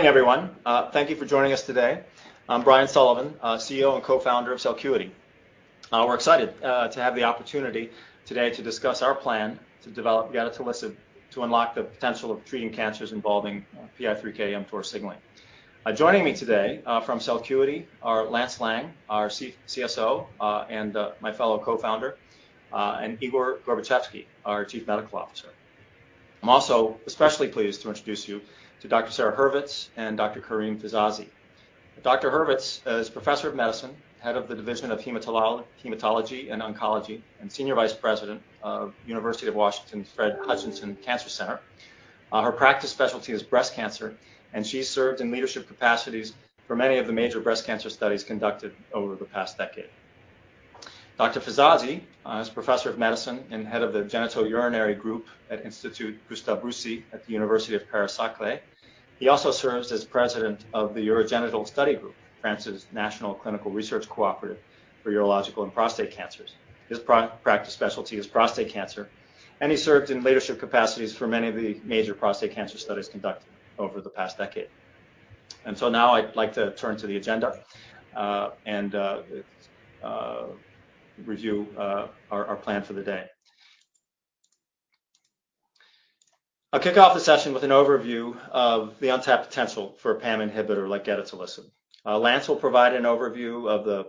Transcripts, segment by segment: Morning, everyone. Thank you for joining us today. I'm Brian Sullivan, CEO and co-founder of Celcuity. We're excited to have the opportunity today to discuss our plan to develop gedatolisib to unlock the potential of treating cancers involving PI3K/mTOR signaling. Joining me today from Celcuity are Lance Laing, our CSO, and my fellow Co-Founder, and Igor Gorbatchevsky, our Chief Medical Officer. I'm also especially pleased to introduce you to Dr. Sara Hurvitz and Dr. Karim Fizazi. Dr. Hurvitz is Professor of Medicine, Head of the Division of Hematology and Oncology, and Senior Vice President of University of Washington Fred Hutchinson Cancer Center. Her practice specialty is breast cancer, and she's served in leadership capacities for many of the major breast cancer studies conducted over the past decade. Dr. Fizazi is Professor of Medicine and head of the Genitourinary Group at Institut Gustave Roussy at the University of Paris-Saclay. He also serves as president of the Urogenital Study Group, France's national clinical research cooperative for urological and prostate cancers. His practice specialty is prostate cancer, and he served in leadership capacities for many of the major prostate cancer studies conducted over the past decade. So now I'd like to turn to the agenda and review our plan for the day. I'll kick off the session with an overview of the untapped potential for a PAM inhibitor like gedatolisib. Lance will provide an overview of the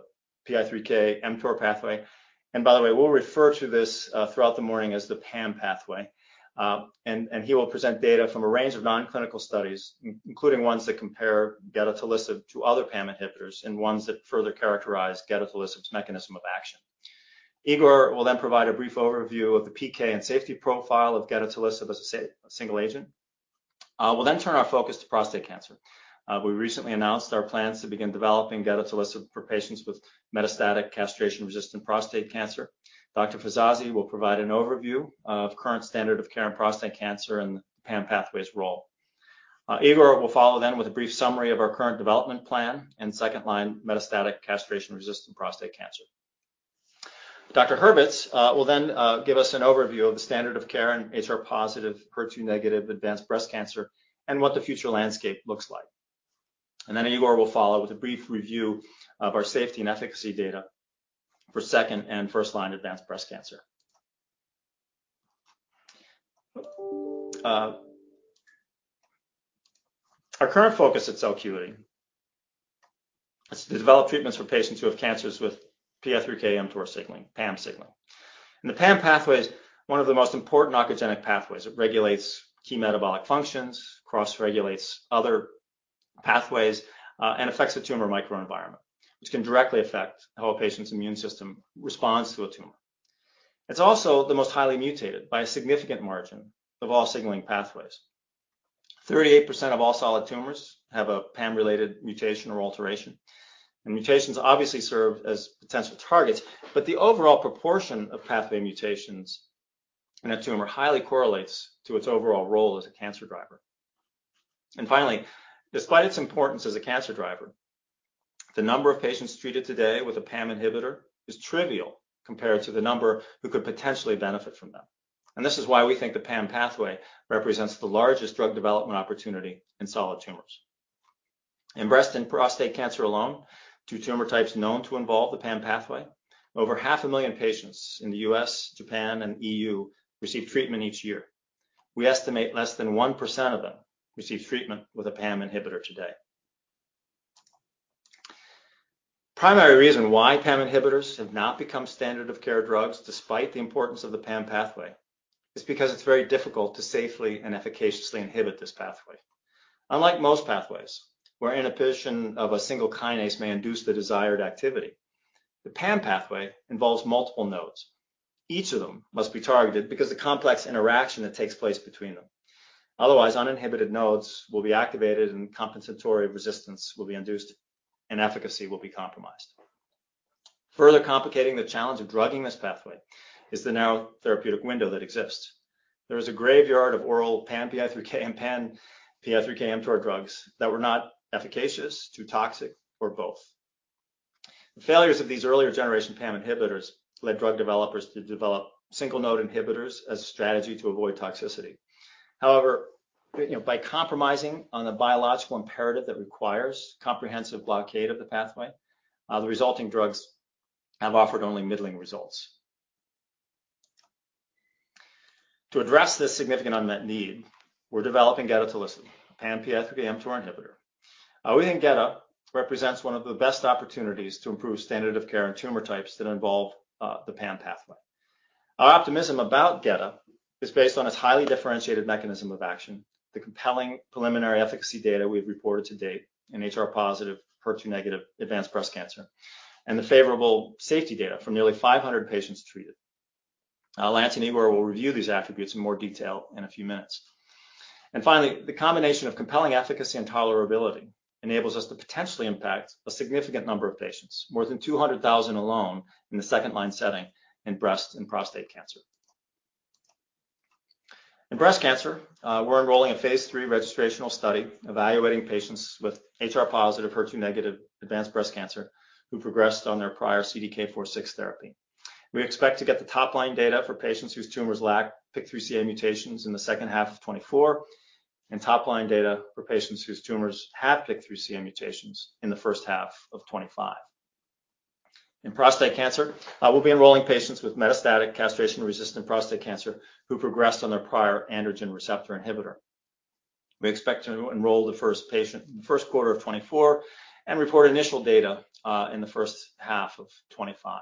PI3K/mTOR pathway, and by the way, we'll refer to this throughout the morning as the PAM pathway. He will present data from a range of non-clinical studies, including ones that compare gedatolisib to other PAM inhibitors and ones that further characterize gedatolisib's mechanism of action. Igor will then provide a brief overview of the PK and safety profile of gedatolisib as a single agent. We'll then turn our focus to prostate cancer. We recently announced our plans to begin developing gedatolisib for patients with metastatic castration-resistant prostate cancer. Dr. Fizazi will provide an overview of current standard of care in prostate cancer and PAM pathway's role. Igor will follow then with a brief summary of our current development plan and second-line metastatic castration-resistant prostate cancer. Dr. Hurvitz will then give us an overview of the standard of care in HR-positive, HER2-negative advanced breast cancer and what the future landscape looks like. Then Igor will follow with a brief review of our safety and efficacy data for second- and first-line advanced breast cancer. Our current focus at Celcuity is to develop treatments for patients who have cancers with PI3K/mTOR signaling, PAM signaling. And the PAM pathway is one of the most important oncogenic pathways. It regulates key metabolic functions, cross-regulates other pathways, and affects the tumor microenvironment, which can directly affect how a patient's immune system responds to a tumor. It's also the most highly mutated, by a significant margin, of all signaling pathways. 38% of all solid tumors have a PAM-related mutation or alteration, and mutations obviously serve as potential targets, but the overall proportion of pathway mutations in a tumor highly correlates to its overall role as a cancer driver. Finally, despite its importance as a cancer driver, the number of patients treated today with a PAM inhibitor is trivial compared to the number who could potentially benefit from them. This is why we think the PAM pathway represents the largest drug development opportunity in solid tumors. In breast and prostate cancer alone, two tumor types known to involve the PAM pathway, over 500,000 patients in the U.S., Japan, and EU receive treatment each year. We estimate less than 1% of them receive treatment with a PAM inhibitor today. Primary reason why PAM inhibitors have not become standard of care drugs, despite the importance of the PAM pathway, is because it's very difficult to safely and efficaciously inhibit this pathway. Unlike most pathways, where inhibition of a single kinase may induce the desired activity, the PAM pathway involves multiple nodes. Each of them must be targeted because of the complex interaction that takes place between them. Otherwise, uninhibited nodes will be activated, and compensatory resistance will be induced, and efficacy will be compromised. Further complicating the challenge of drugging this pathway is the narrow therapeutic window that exists. There is a graveyard of oral PAM-PI3K and PAM-PI3K/mTOR drugs that were not efficacious, too toxic, or both. The failures of these earlier generation PAM inhibitors led drug developers to develop single-node inhibitors as a strategy to avoid toxicity. However, you know, by compromising on the biological imperative that requires comprehensive blockade of the pathway, the resulting drugs have offered only middling results. To address this significant unmet need, we're developing gedatolisib, a PAM-PI3K/mTOR inhibitor. We think Geda represents one of the best opportunities to improve standard of care in tumor types that involve the PAM pathway. Our optimism about gedatolisib is based on its highly differentiated mechanism of action, the compelling preliminary efficacy data we've reported to date in HR-positive/HER2-negative advanced breast cancer, and the favorable safety data from nearly 500 patients treated. Lance and Igor will review these attributes in more detail in a few minutes. And finally, the combination of compelling efficacy and tolerability enables us to potentially impact a significant number of patients, more than 200,000 alone in the second-line setting in breast and prostate cancer. In breast cancer, we're enrolling a phase III registrational study evaluating patients with HR-positive/HER2-negative advanced breast cancer who progressed on their prior CDK4/6 therapy. We expect to get the top-line data for patients whose tumors lack PIK3CA mutations in the second half of 2024, and top-line data for patients whose tumors have PIK3CA mutations in the first half of 2025. In prostate cancer, we'll be enrolling patients with metastatic castration-resistant prostate cancer who progressed on their prior androgen receptor inhibitor. We expect to enroll the first patient in the first quarter of 2024 and report initial data in the first half of 2025.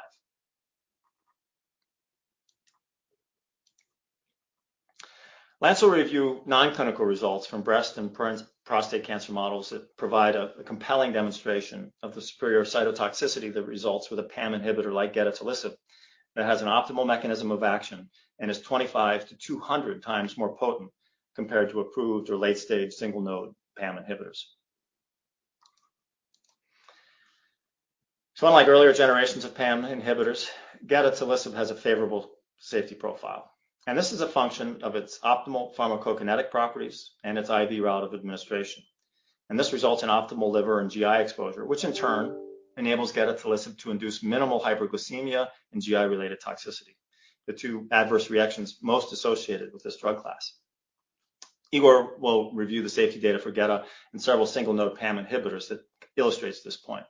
Lance will review non-clinical results from breast and prostate cancer models that provide a compelling demonstration of the superior cytotoxicity that results with a PAM inhibitor like gedatolisib, that has an optimal mechanism of action and is 25-200 times more potent compared to approved or late-stage single-node PAM inhibitors. So unlike earlier generations of PAM inhibitors, gedatolisib has a favorable safety profile, and this is a function of its optimal pharmacokinetic properties and its IV route of administration. And this results in optimal liver and GI exposure, which in turn enables gedatolisib to induce minimal hyperglycemia and GI-related toxicity, the two adverse reactions most associated with this drug class. Igor will review the safety data for Geda and several single-node PAM inhibitors that illustrates this point.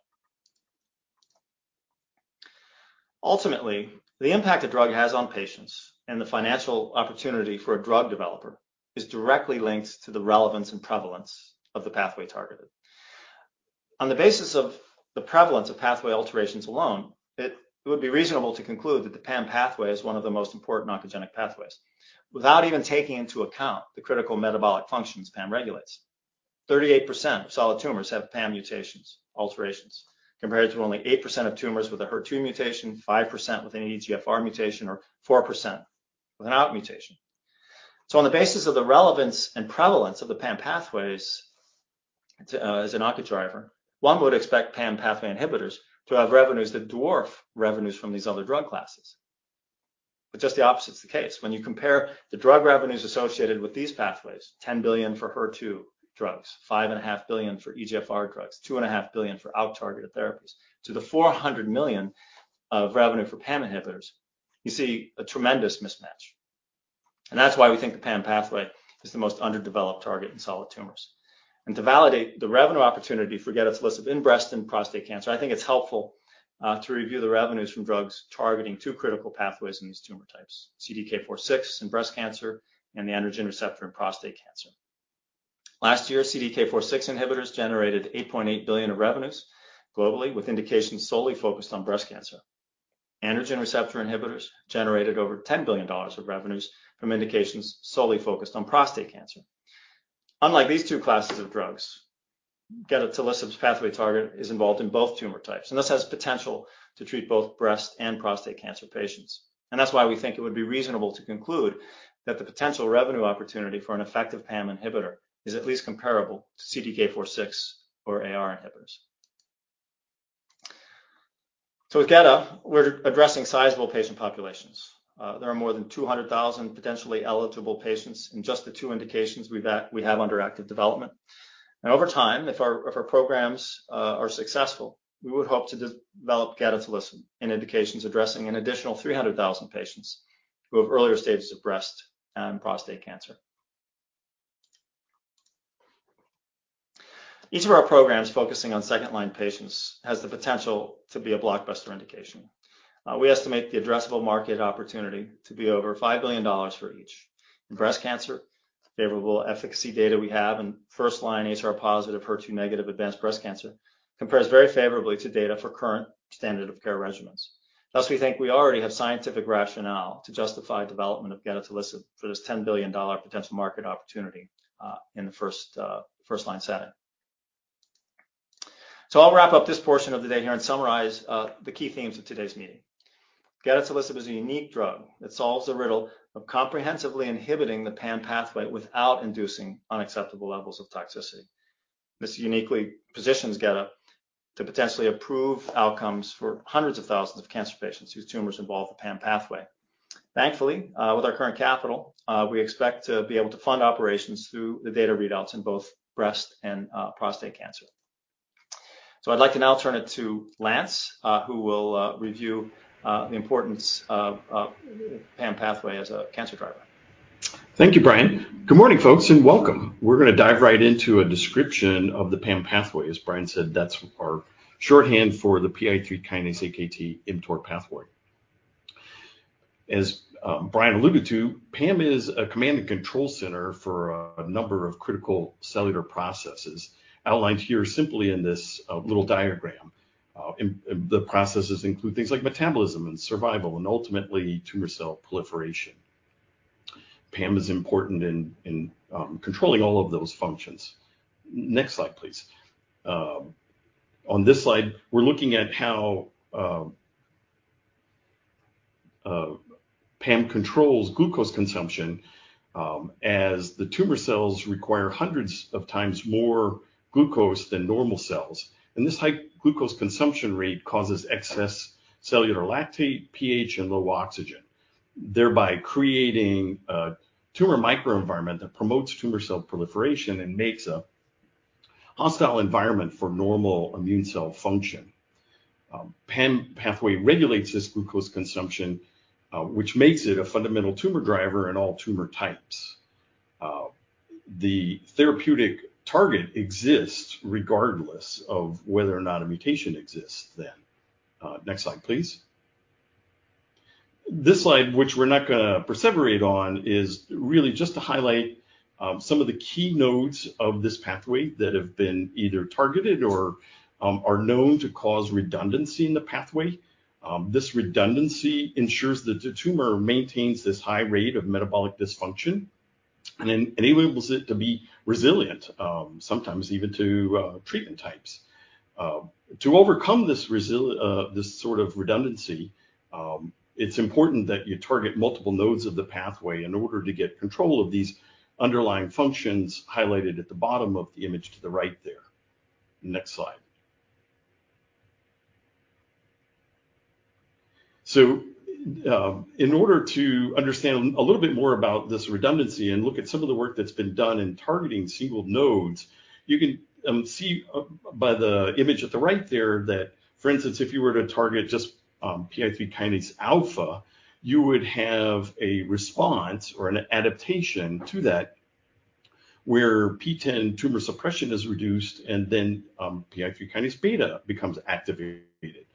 Ultimately, the impact a drug has on patients and the financial opportunity for a drug developer is directly linked to the relevance and prevalence of the pathway targeted. On the basis of the prevalence of pathway alterations alone, it would be reasonable to conclude that the PAM pathway is one of the most important oncogenic pathways, without even taking into account the critical metabolic functions PAM regulates. 38% of solid tumors have PAM mutations, alterations, compared to only 8% of tumors with a HER2 mutation, 5% with an EGFR mutation, or 4% with an ALK mutation. So on the basis of the relevance and prevalence of the PAM pathways to, as an onco driver, one would expect PAM pathway inhibitors to have revenues that dwarf revenues from these other drug classes. But just the opposite is the case. When you compare the drug revenues associated with these pathways, $10 billion for HER2 drugs, $5.5 billion for EGFR drugs, $2.5 billion for ALK-targeted therapies, to the $400 million of revenue for PAM inhibitors, you see a tremendous mismatch. And that's why we think the PAM pathway is the most underdeveloped target in solid tumors. To validate the revenue opportunity for gedatolisib in breast and prostate cancer, I think it's helpful to review the revenues from drugs targeting two critical pathways in these tumor types: CDK4/6 in breast cancer and the androgen receptor in prostate cancer. Last year, CDK4/6 inhibitors generated $8.8 billion of revenues globally, with indications solely focused on breast cancer. Androgen receptor inhibitors generated over $10 billion of revenues from indications solely focused on prostate cancer. Unlike these two classes of drugs, gedatolisib's pathway target is involved in both tumor types, and this has potential to treat both breast and prostate cancer patients. And that's why we think it would be reasonable to conclude that the potential revenue opportunity for an effective PAM inhibitor is at least comparable to CDK4/6 or AR inhibitors. So with Geda, we're addressing sizable patient populations. There are more than 200,000 potentially eligible patients in just the two indications we've under active development. Over time, if our programs are successful, we would hope to develop gedatolisib in indications addressing an additional 300,000 patients who have earlier stages of breast and prostate cancer. Each of our programs focusing on second-line patients has the potential to be a blockbuster indication. We estimate the addressable market opportunity to be over $5 billion for each. In breast cancer, favorable efficacy data we have in first-line HR-positive, HER2-negative advanced breast cancer compares very favorably to data for current standard of care regimens. Thus, we think we already have scientific rationale to justify development of gedatolisib for this $10 billion potential market opportunity in the first-line setting. I'll wrap up this portion of the day here and summarize the key themes of today's meeting. Gedatolisib is a unique drug that solves the riddle of comprehensively inhibiting the PAM pathway without inducing unacceptable levels of toxicity. This uniquely positions gedatolisib to potentially improve outcomes for hundreds of thousands of cancer patients whose tumors involve the PAM pathway. Thankfully, with our current capital, we expect to be able to fund operations through the data readouts in both breast and prostate cancer. I'd like to now turn it to Lance, who will review the importance of the PAM pathway as a cancer driver. Thank you, Brian. Good morning, folks, and welcome. We're gonna dive right into a description of the PAM pathway. As Brian said, that's our shorthand for the PI3 kinase AKT-mTOR pathway. As Brian alluded to, PAM is a command and control center for a number of critical cellular processes, outlined here simply in this little diagram. The processes include things like metabolism and survival, and ultimately, tumor cell proliferation. PAM is important in controlling all of those functions. Next slide, please. On this slide, we're looking at how PAM controls glucose consumption, as the tumor cells require hundreds of times more glucose than normal cells. This high glucose consumption rate causes excess cellular lactate, pH, and low oxygen, thereby creating a tumor microenvironment that promotes tumor cell proliferation and makes a hostile environment for normal immune cell function. PAM pathway regulates this glucose consumption, which makes it a fundamental tumor driver in all tumor types. The therapeutic target exists regardless of whether or not a mutation exists then. Next slide, please. This slide, which we're not gonna perseverate on, is really just to highlight some of the key nodes of this pathway that have been either targeted or are known to cause redundancy in the pathway. This redundancy ensures that the tumor maintains this high rate of metabolic dysfunction and enables it to be resilient, sometimes even to treatment types. To overcome this sort of redundancy, it's important that you target multiple nodes of the pathway in order to get control of these underlying functions highlighted at the bottom of the image to the right there. Next slide. In order to understand a little bit more about this redundancy and look at some of the work that's been done in targeting single nodes, you can see, by the image at the right there, that, for instance, if you were to target just PI3 kinase alpha, you would have a response or an adaptation to that, where PTEN tumor suppression is reduced, and then PI3 kinase beta becomes activated.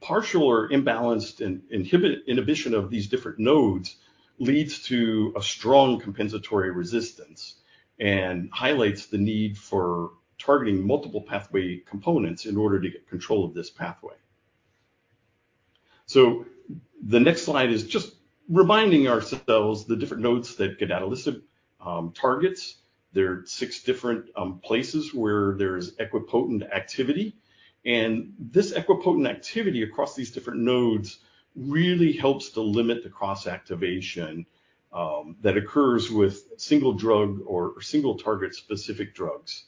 Partial or imbalanced inhibition of these different nodes leads to a strong compensatory resistance and highlights the need for targeting multiple pathway components in order to get control of this pathway. The next slide is just reminding ourselves the different nodes that gedatolisib targets. There are six different places where there's equipotent activity, and this equipotent activity across these different nodes really helps to limit the cross-activation that occurs with single drug or single target-specific drugs.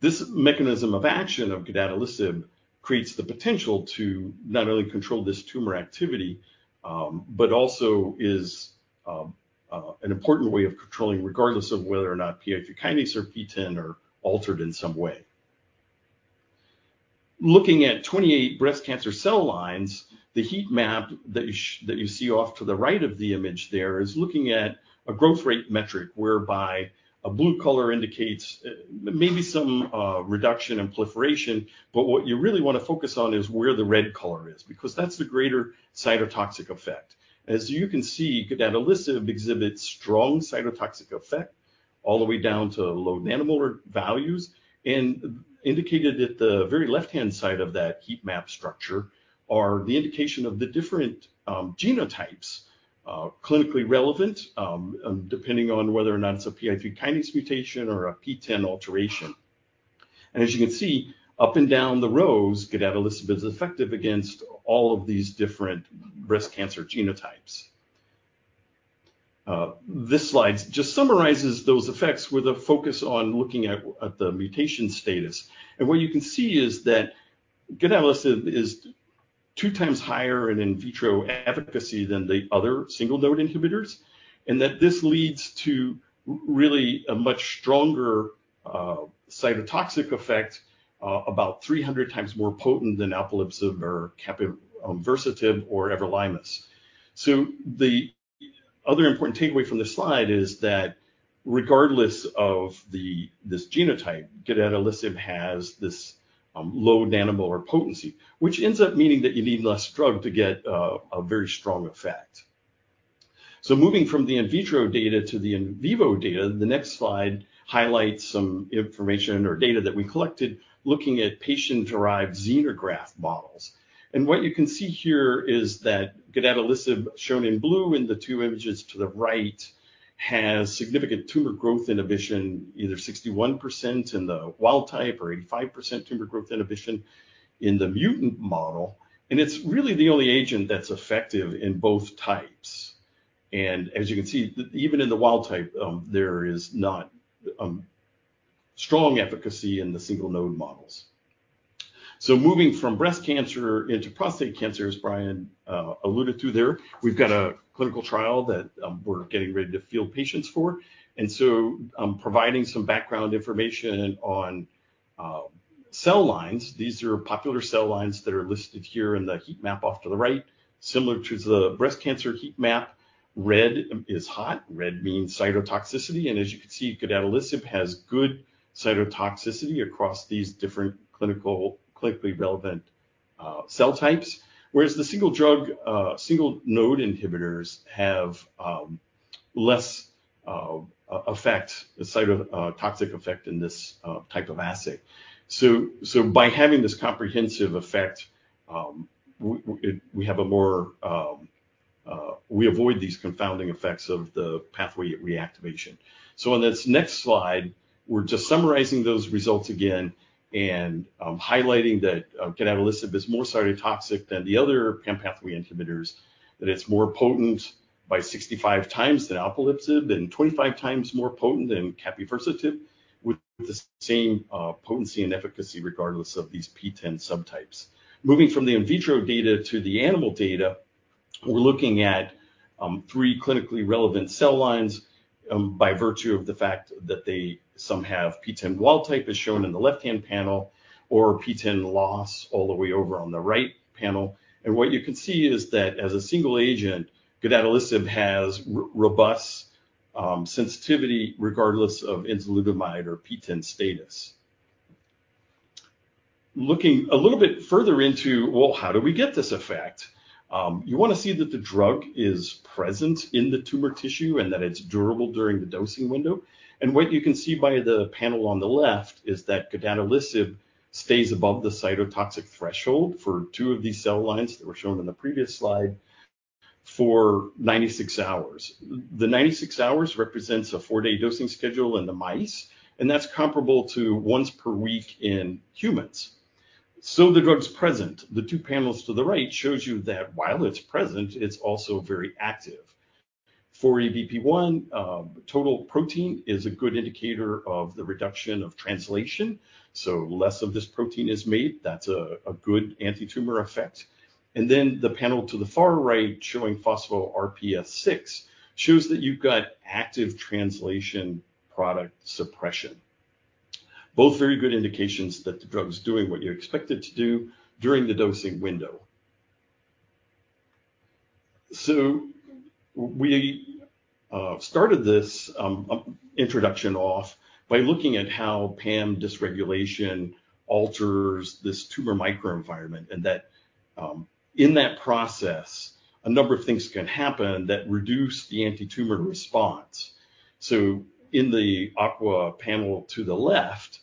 This mechanism of action of gedatolisib creates the potential to not only control this tumor activity, but also is an important way of controlling, regardless of whether or not PI3 kinase or PTEN are altered in some way. Looking at 28 breast cancer cell lines, the heat map that you see off to the right of the image there is looking at a growth rate metric, whereby a blue color indicates maybe some reduction in proliferation. But what you really want to focus on is where the red color is, because that's the greater cytotoxic effect. As you can see, gedatolisib exhibits strong cytotoxic effect all the way down to low nanomolar values, and indicated at the very left-hand side of that heat map structure, are the indication of the different, genotypes, clinically relevant, depending on whether or not it's a PI3 kinase mutation or a PTEN alteration. As you can see, up and down the rows, gedatolisib is effective against all of these different breast cancer genotypes. This slide just summarizes those effects with a focus on looking at the mutation status. And what you can see is that gedatolisib is two times higher in in vitro efficacy than the other single-node inhibitors, and that this leads to really a much stronger, cytotoxic effect, about 300 times more potent than alpelisib or capivasertib or everolimus. So the other important takeaway from this slide is that regardless of the, this genotype, gedatolisib has this low nanomolar potency, which ends up meaning that you need less drug to get a very strong effect. So moving from the in vitro data to the in vivo data, the next slide highlights some information or data that we collected looking at patient-derived xenograft models. And what you can see here is that gedatolisib, shown in blue in the two images to the right, has significant tumor growth inhibition, either 61% in the wild type or 85% tumor growth inhibition in the mutant model, and it's really the only agent that's effective in both types. And as you can see, even in the wild type, there is not strong efficacy in the single-node models. Moving from breast cancer into prostate cancer, as Brian alluded to there, we've got a clinical trial that we're getting ready to field patients for, and I'm providing some background information on cell lines. These are popular cell lines that are listed here in the heat map off to the right, similar to the breast cancer heat map. Red is hot, red means cytotoxicity, and as you can see, gedatolisib has good cytotoxicity across these different clinically relevant cell types, whereas the single drug, single-node inhibitors have less effect, a cytotoxic effect in this type of assay. By having this comprehensive effect, we have a more-- we avoid these confounding effects of the pathway reactivation. So on this next slide, we're just summarizing those results again and highlighting that gedatolisib is more cytotoxic than the other PAM pathway inhibitors, that it's more potent by 65 times than alpelisib, and 25 times more potent than capivasertib, with the same potency and efficacy regardless of these PTEN subtypes. Moving from the in vitro data to the animal data. We're looking at three clinically relevant cell lines by virtue of the fact that they, some have PTEN wild type, as shown in the left-hand panel, or PTEN loss all the way over on the right panel. What you can see is that as a single agent, gedatolisib has robust sensitivity, regardless of enzalutamide or PTEN status. Looking a little bit further into, well, how do we get this effect? You want to see that the drug is present in the tumor tissue, and that it's durable during the dosing window. What you can see by the panel on the left is that gedatolisib stays above the cytotoxic threshold for two of these cell lines that were shown in the previous slide for 96 hours. The 96 hours represents a four-day dosing schedule in the mice, and that's comparable to once per week in humans. The drug's present. The two panels to the right show you that while it's present, it's also very active. For EBP1, total protein is a good indicator of the reduction of translation, so less of this protein is made. That's a good anti-tumor effect. The panel to the far right, showing phospho-RPS6, shows that you've got active translation product suppression. Both very good indications that the drug is doing what you expect it to do during the dosing window. So we started this introduction off by looking at how PAM dysregulation alters this tumor microenvironment, and that in that process, a number of things can happen that reduce the anti-tumor response. So in the upper panel to the left,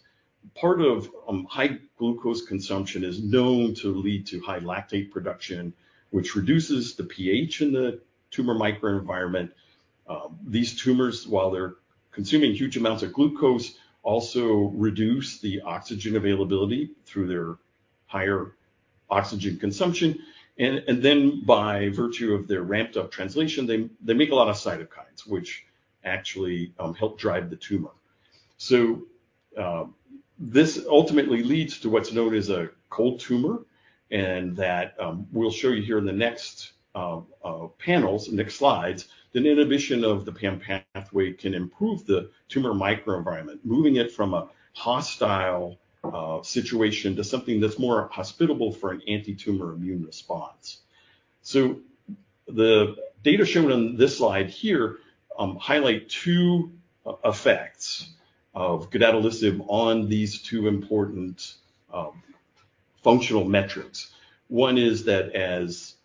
part of high glucose consumption is known to lead to high lactate production, which reduces the pH in the tumor microenvironment. These tumors, while they're consuming huge amounts of glucose, also reduce the oxygen availability through their higher oxygen consumption, and then by virtue of their ramped-up translation, they make a lot of cytokines, which actually help drive the tumor. So, this ultimately leads to what's known as a cold tumor, and that, we'll show you here in the next panels, next slides, that inhibition of the PAM pathway can improve the tumor microenvironment, moving it from a hostile situation to something that's more hospitable for an anti-tumor immune response. So the data shown on this slide here highlight two effects of gedatolisib on these two important functional metrics. One is that as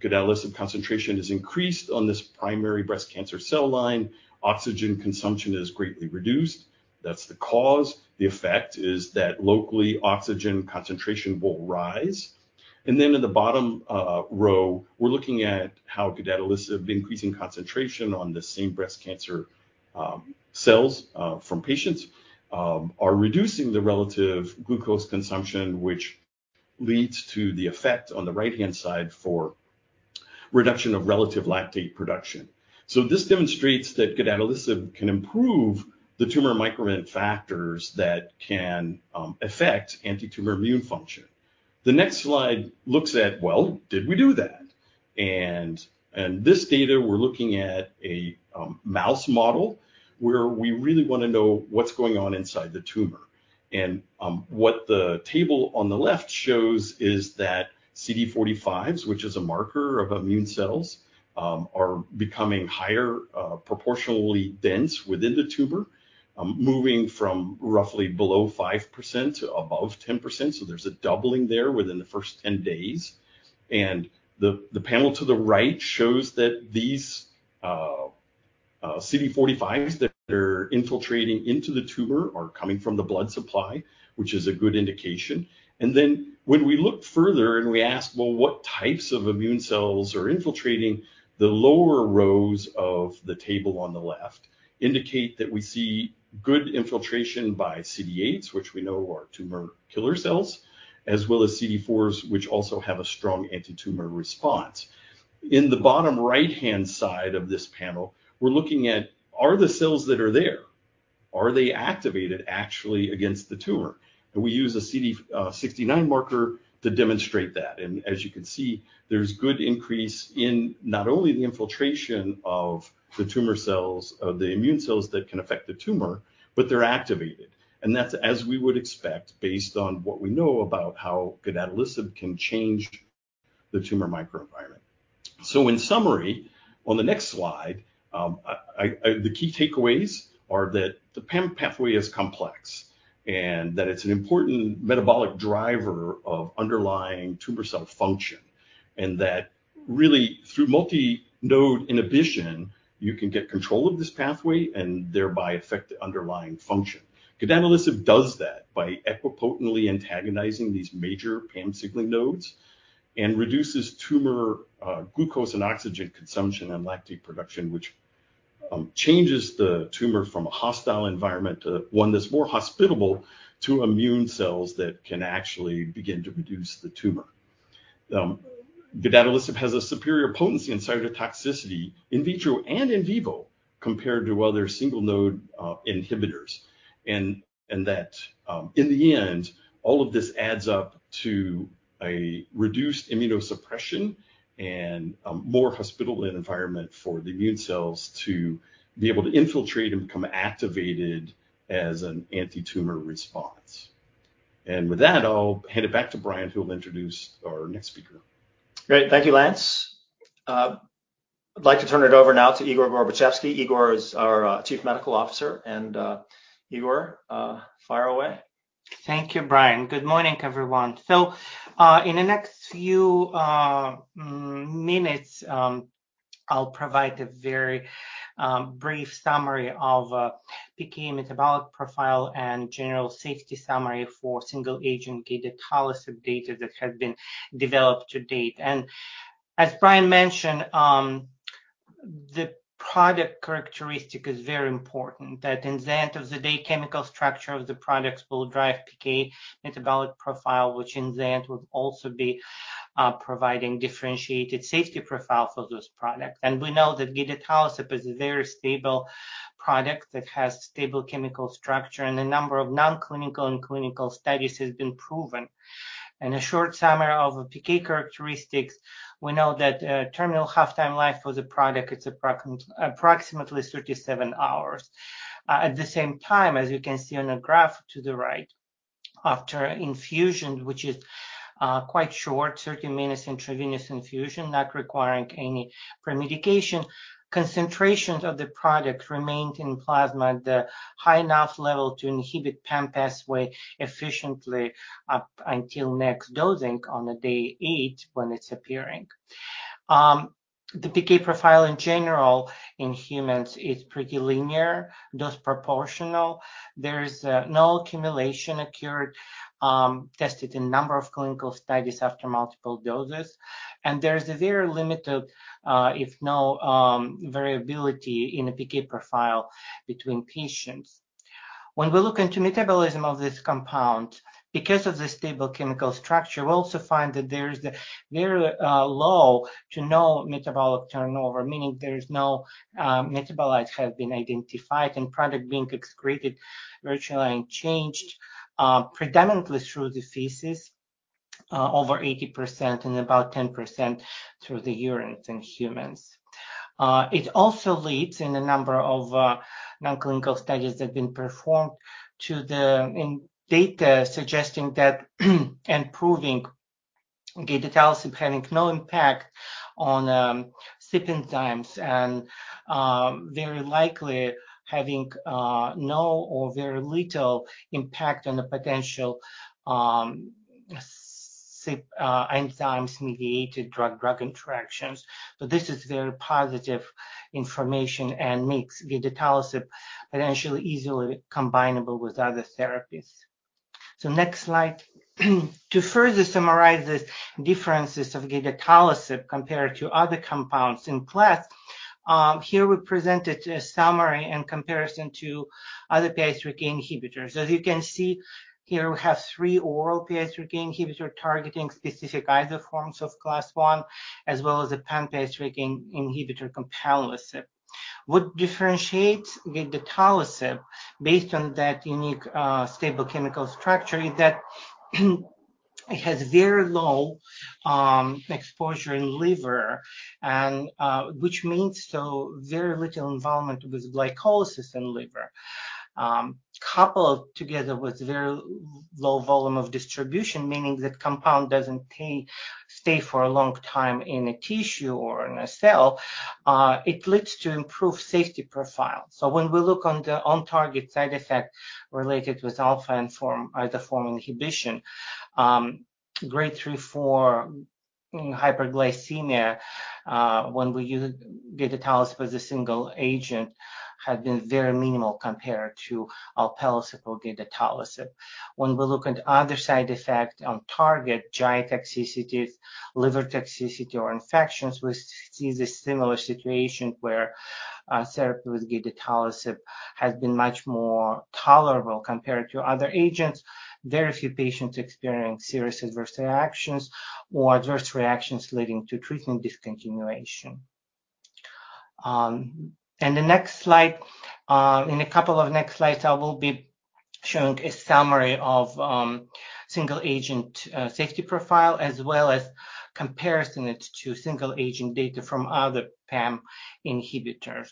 gedatolisib concentration is increased on this primary breast cancer cell line, oxygen consumption is greatly reduced. That's the cause. The effect is that locally, oxygen concentration will rise. And then in the bottom row, we're looking at how gedatolisib increasing concentration on the same breast cancer cells from patients are reducing the relative glucose consumption, which leads to the effect on the right-hand side for reduction of relative lactate production. So this demonstrates that gedatolisib can improve the tumor microenvironment factors that can affect anti-tumor immune function. The next slide looks at, well, did we do that? And this data, we're looking at a mouse model, where we really want to know what's going on inside the tumor. And what the table on the left shows is that CD45s, which is a marker of immune cells, are becoming higher proportionally dense within the tumor, moving from roughly below 5% to above 10%, so there's a doubling there within the first 10 days. The panel to the right shows that these CD45s that are infiltrating into the tumor are coming from the blood supply, which is a good indication. When we look further and we ask, "Well, what types of immune cells are infiltrating?" the lower rows of the table on the left indicate that we see good infiltration by CD8s, which we know are tumor killer cells, as well as CD4s, which also have a strong anti-tumor response. In the bottom right-hand side of this panel, we're looking at, are the cells that are there, are they activated actually against the tumor? We use a CD69 marker to demonstrate that. As you can see, there's good increase in not only the infiltration of the tumor cells, of the immune cells that can affect the tumor, but they're activated, and that's as we would expect based on what we know about how gedatolisib can change the tumor microenvironment. So in summary, on the next slide, the key takeaways are that the PAM pathway is complex, and that it's an important metabolic driver of underlying tumor cell function, and that really, through multi-node inhibition, you can get control of this pathway and thereby affect the underlying function. Gedatolisib does that by equipotently antagonizing these major PAM signaling nodes and reduces tumor, glucose and oxygen consumption and lactate production, which changes the tumor from a hostile environment to one that's more hospitable to immune cells that can actually begin to reduce the tumor. Gedatolisib has a superior potency and cytotoxicity in vitro and in vivo compared to other single-node inhibitors... and, and that, in the end, all of this adds up to a reduced immunosuppression and a more hospitable environment for the immune cells to be able to infiltrate and become activated as an anti-tumor response. With that, I'll hand it back to Brian, who will introduce our next speaker. Great. Thank you, Lance. I'd like to turn it over now to Igor Gorbatchevsky. Igor is our Chief Medical Officer, and, Igor, fire away. Thank you, Brian. Good morning, everyone. In the next few minutes, I'll provide a very brief summary of PK metabolic profile and general safety summary for single agent gedatolisib data that has been developed to date. As Brian mentioned, the product characteristic is very important, that at the end of the day, chemical structure of the products will drive PK metabolic profile, which in the end, will also be providing differentiated safety profile for those products. We know that gedatolisib is a very stable product that has stable chemical structure, and a number of non-clinical and clinical studies has been proven. In a short summary of PK characteristics, we know that terminal half-time life for the product, it's approximately 37 hours. At the same time, as you can see on the graph to the right, after infusion, which is quite short, 30-minute intravenous infusion, not requiring any pre-medication, concentrations of the product remained in plasma at a high enough level to inhibit PAM pathway efficiently up until next dosing on the day eight, when it's appearing. The PK profile in general in humans is pretty linear, dose proportional. There's no accumulation occurred, tested in a number of clinical studies after multiple doses, and there's a very limited, if no, variability in the PK profile between patients. When we look into metabolism of this compound, because of the stable chemical structure, we also find that there's a very, low to no metabolic turnover, meaning there is no, metabolites have been identified, and product being excreted, virtually unchanged, predominantly through the feces, over 80%, and about 10% through the urine in humans. It also leads in a number of, non-clinical studies that have been performed to the, in data suggesting that, and proving gedatolisib having no impact on, CYP enzymes and, very likely having, no or very little impact on the potential, CYP, enzymes-mediated drug-drug interactions. So this is very positive information and makes gedatolisib potentially easily combinable with other therapies. So next slide. To further summarize the differences of gedatolisib compared to other compounds in class, here we presented a summary in comparison to other PI3K inhibitors. As you can see here, we have three oral PI3K inhibitors targeting specific isoforms of class one, as well as a pan-PI3K inhibitor copanlisib. What differentiates gedatolisib, based on that unique stable chemical structure, is that it has very low exposure in liver, and which means so very little involvement with glycolysis in liver. Coupled together with very low volume of distribution, meaning the compound doesn't stay for a long time in a tissue or in a cell, it leads to improved safety profile. So when we look on the on-target side effect related with alpha isoform, isoform inhibition, Grade 3 for hyperglycemia, when we use gedatolisib as a single agent, had been very minimal compared to alpelisib or gedatolisib. When we look at other side effects on target, GI toxicities, liver toxicity, or infections, we see the similar situation where, therapy with gedatolisib has been much more tolerable compared to other agents. Very few patients experience serious adverse reactions or adverse reactions leading to treatment discontinuation. And the next slide, in a couple of next slides, I will be showing a summary of, single agent, safety profile, as well as comparison it to single agent data from other PAM inhibitors.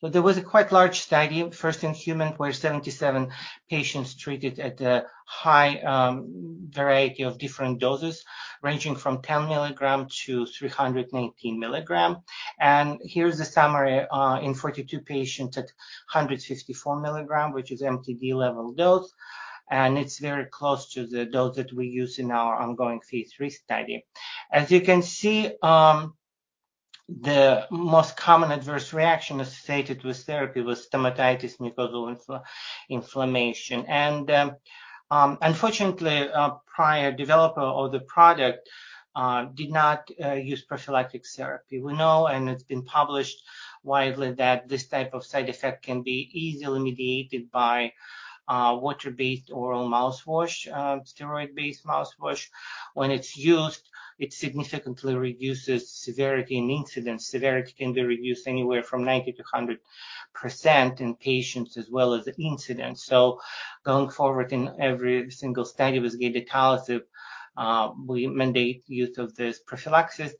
But there was a quite large study, first in human, where 77 patients treated at a high, variety of different doses, ranging from 10 mg to 318 mg. And here's a summary, in 42 patients at 154 mg, which is MTD level dose, and it's very close to the dose that we use in our ongoing phase III study. As you can see, the most common adverse reaction associated with therapy was stomatitis, mucosal inflammation. And, unfortunately, a prior developer of the product, did not, use prophylactic therapy. We know, and it's been published widely, that this type of side effect can be easily mediated by a water-based oral mouthwash, steroid-based mouthwash when it's used, it significantly reduces severity and incidence. Severity can be reduced anywhere from 90% to 100% in patients as well as incidence. Going forward in every single study with gedatolisib, we mandate use of this prophylaxis.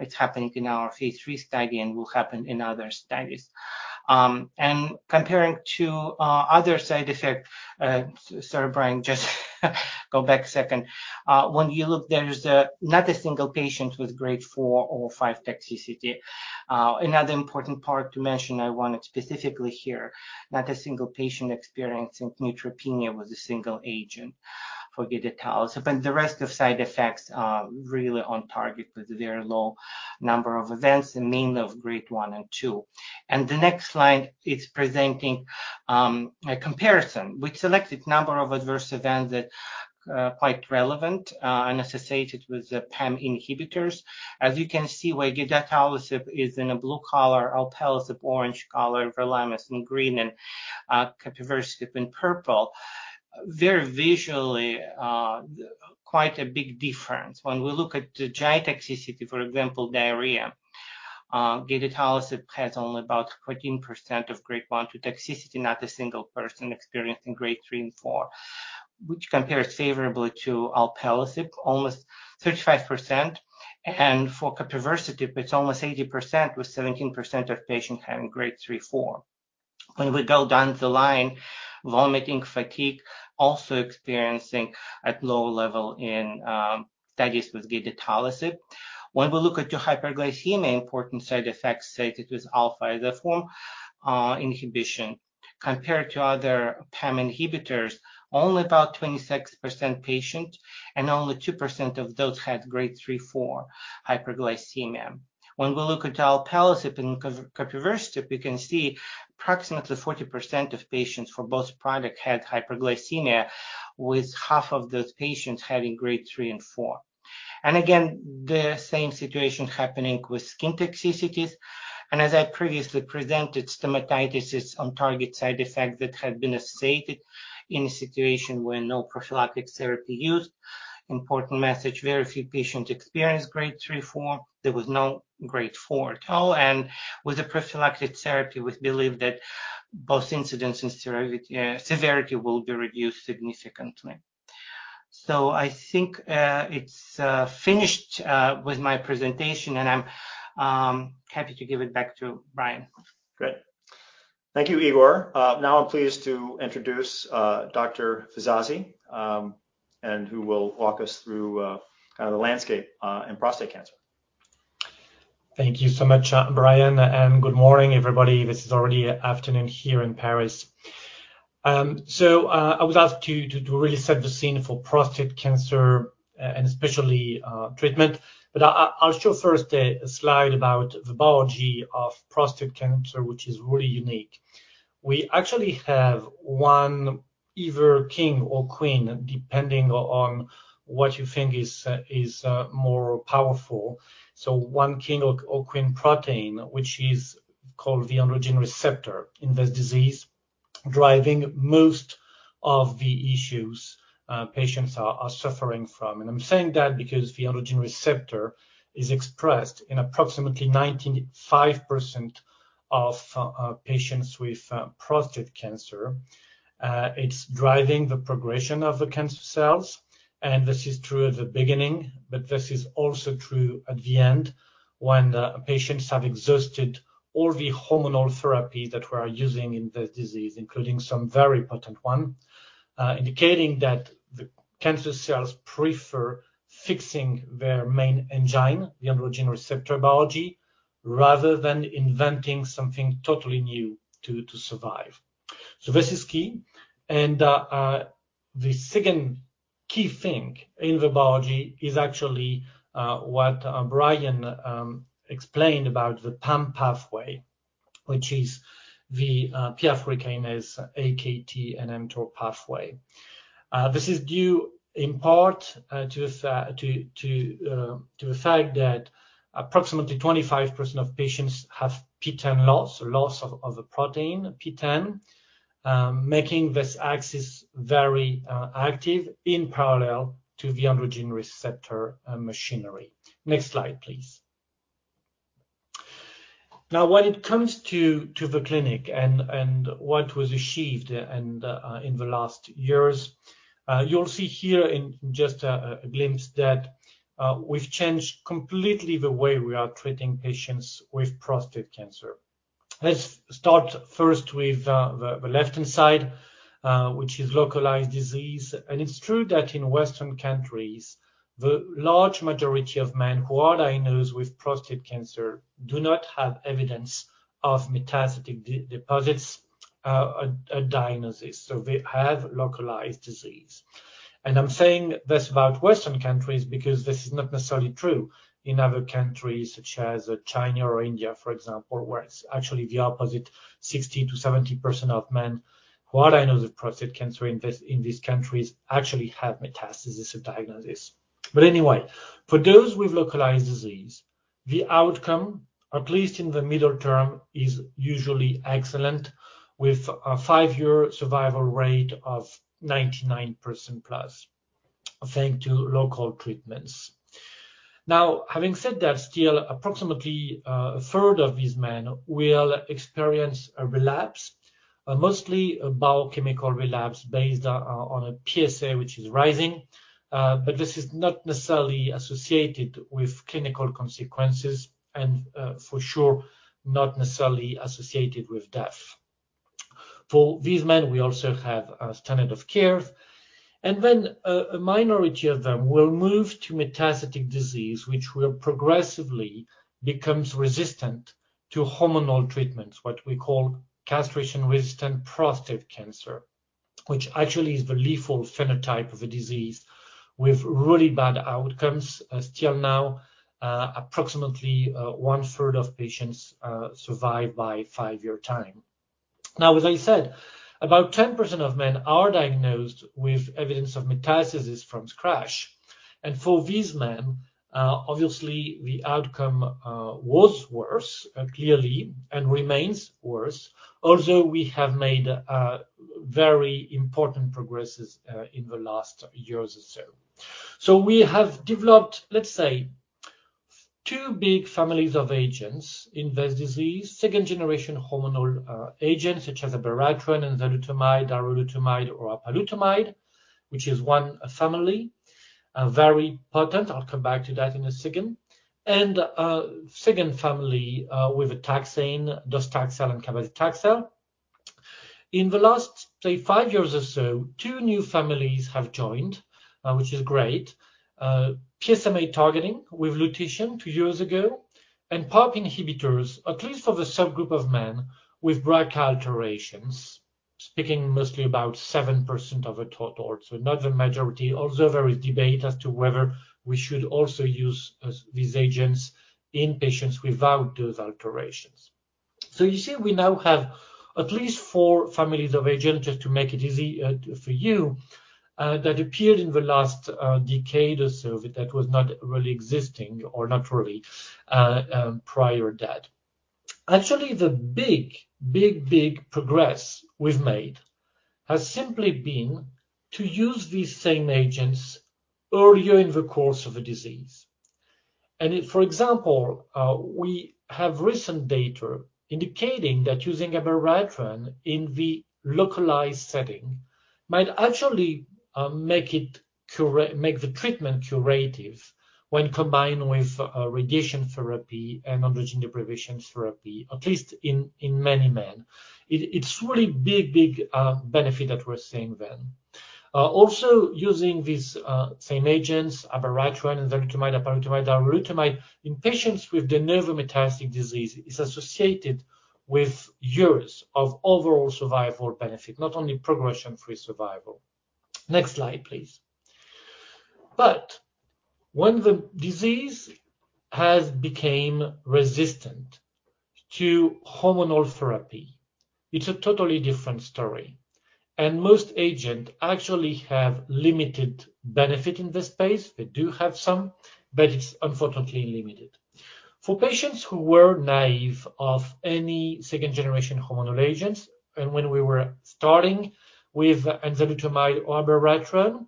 It's happening in our phase III study and will happen in other studies. Comparing to other side effects, sorry, Brian, just go back a second. When you look, there's not a single patient with Grade four or five toxicity. Another important part to mention, I wanted specifically here, not a single patient experiencing neutropenia with a single agent for gedatolisib. The rest of side effects are really on target with very low number of events, and mainly of Grade 1 and 2. The next slide is presenting a comparison. We selected number of adverse events that are quite relevant and associated with the PAM inhibitors. As you can see, where gedatolisib is in a blue color, alpelisib orange color, everolimus green, and capivasertib in purple. Very visually, quite a big difference. When we look at the GI toxicity, for example, diarrhea, gedatolisib has only about 14% of Grade 1, 2 toxicity, not a single person experiencing Grade 3 and 4, which compares favorably to alpelisib, almost 35%, and for capivasertib, it's almost 80%, with 17% of patients having Grade 3, 4. When we go down the line, vomiting, fatigue, also experiencing at low level in, studies with gedatolisib. When we look at the hyperglycemia, important side effects associated with alpha isoform, inhibition. Compared to other PAM inhibitors, only about 26% patient and only 2% of those had Grade 3, 4 hyperglycemia. When we look at alpelisib and capivasertib, we can see approximately 40% of patients for both products had hyperglycemia, with half of those patients having Grade 3 and 4. Again, the same situation happening with skin toxicities. As I previously presented, stomatitis is on-target side effect that had been associated in a situation where no prophylactic therapy used. Important message, very few patients experienced Grade 3, 4. There was no Grade four at all, and with the prophylactic therapy, we believe that both incidence and severity, severity will be reduced significantly. So I think, it's finished with my presentation, and I'm happy to give it back to Brian. Great. Thank you, Igor. Now I'm pleased to introduce Dr. Fizazi, and who will walk us through the landscape in prostate cancer. Thank you so much, Brian, and good morning, everybody. This is already afternoon here in Paris. So, I was asked to really set the scene for prostate cancer, and especially, treatment. But I'll show first a slide about the biology of prostate cancer, which is really unique. We actually have one either king or queen, depending on what you think is more powerful. So one king or queen protein, which is called the androgen receptor, in this disease, driving most of the issues, patients are suffering from. And I'm saying that because the androgen receptor is expressed in approximately 95% of patients with prostate cancer. It's driving the progression of the cancer cells, and this is true at the beginning, but this is also true at the end when the patients have exhausted all the hormonal therapy that we are using in this disease, including some very potent one, indicating that the cancer cells prefer fixing their main engine, the androgen receptor biology, rather than inventing something totally new to survive. So this is key. And, the second key thing in the biology is actually what Brian explained about the PAM pathway, which is the phosphatidylinositol, AKT, and mTOR pathway. This is due in part to the fact that approximately 25% of patients have PTEN loss, loss of the protein, PTEN, making this axis very active in parallel to the androgen receptor machinery. Next slide, please. Now, when it comes to the clinic and what was achieved in the last years, you'll see here in just a glimpse that we've changed completely the way we are treating patients with prostate cancer. Let's start first with the left-hand side, which is localized disease. It's true that in Western countries, the large majority of men who are diagnosed with prostate cancer do not have evidence of metastatic deposits at diagnosis, so they have localized disease. I'm saying this about Western countries because this is not necessarily true in other countries, such as China or India, for example, where it's actually the opposite. 60%-70% of men who are diagnosed with prostate cancer in these countries actually have metastasis at diagnosis. But anyway, for those with localized disease-... The outcome, at least in the middle term, is usually excellent, with a five-year survival rate of 99% plus, thanks to local treatments. Now, having said that, still, approximately, a third of these men will experience a relapse, mostly a biochemical relapse based on a PSA, which is rising. But this is not necessarily associated with clinical consequences and, for sure, not necessarily associated with death. For these men, we also have a standard of care, and then a minority of them will move to metastatic disease, which will progressively becomes resistant to hormonal treatments, what we call castration-resistant prostate cancer, which actually is the lethal phenotype of the disease with really bad outcomes. Still now, approximately, one-third of patients, survive by five-year time. Now, as I said, about 10% of men are diagnosed with evidence of metastasis from scratch. For these men, obviously the outcome was worse, clearly, and remains worse, although we have made very important progresses in the last years or so. We have developed, let's say, two big families of agents in this disease. Second-generation hormonal agents, such as abiraterone and enzalutamide, darolutamide, or apalutamide, which is one family, very potent. I'll come back to that in a second. A second family with a taxane, docetaxel and cabazitaxel. In the last, say, five years or so, two new families have joined, which is great. PSMA targeting with lutetium two years ago, and PARP inhibitors, at least for the subgroup of men with BRCA alterations, speaking mostly about 7% of the total, so not the majority. Also, there is debate as to whether we should also use these agents in patients without those alterations. So you see, we now have at least four families of agent, just to make it easy, for you, that appeared in the last decade or so, that was not really existing or not really prior to that. Actually, the big, big, big progress we've made has simply been to use these same agents earlier in the course of the disease. And for example, we have recent data indicating that using abiraterone in the localized setting might actually make it cura-- make the treatment curative when combined with radiation therapy and androgen deprivation therapy, at least in many men. It, it's really big, big benefit that we're seeing then. Also, using these same agents, abiraterone and enzalutamide, apalutamide, darolutamide, in patients with de novo metastatic disease, is associated with years of overall survival benefit, not only progression-free survival. Next slide, please. When the disease has became resistant to hormonal therapy, it's a totally different story, and most agent actually have limited benefit in this space. They do have some, but it's unfortunately limited. For patients who were naive of any second-generation hormonal agents, and when we were starting with enzalutamide or abiraterone,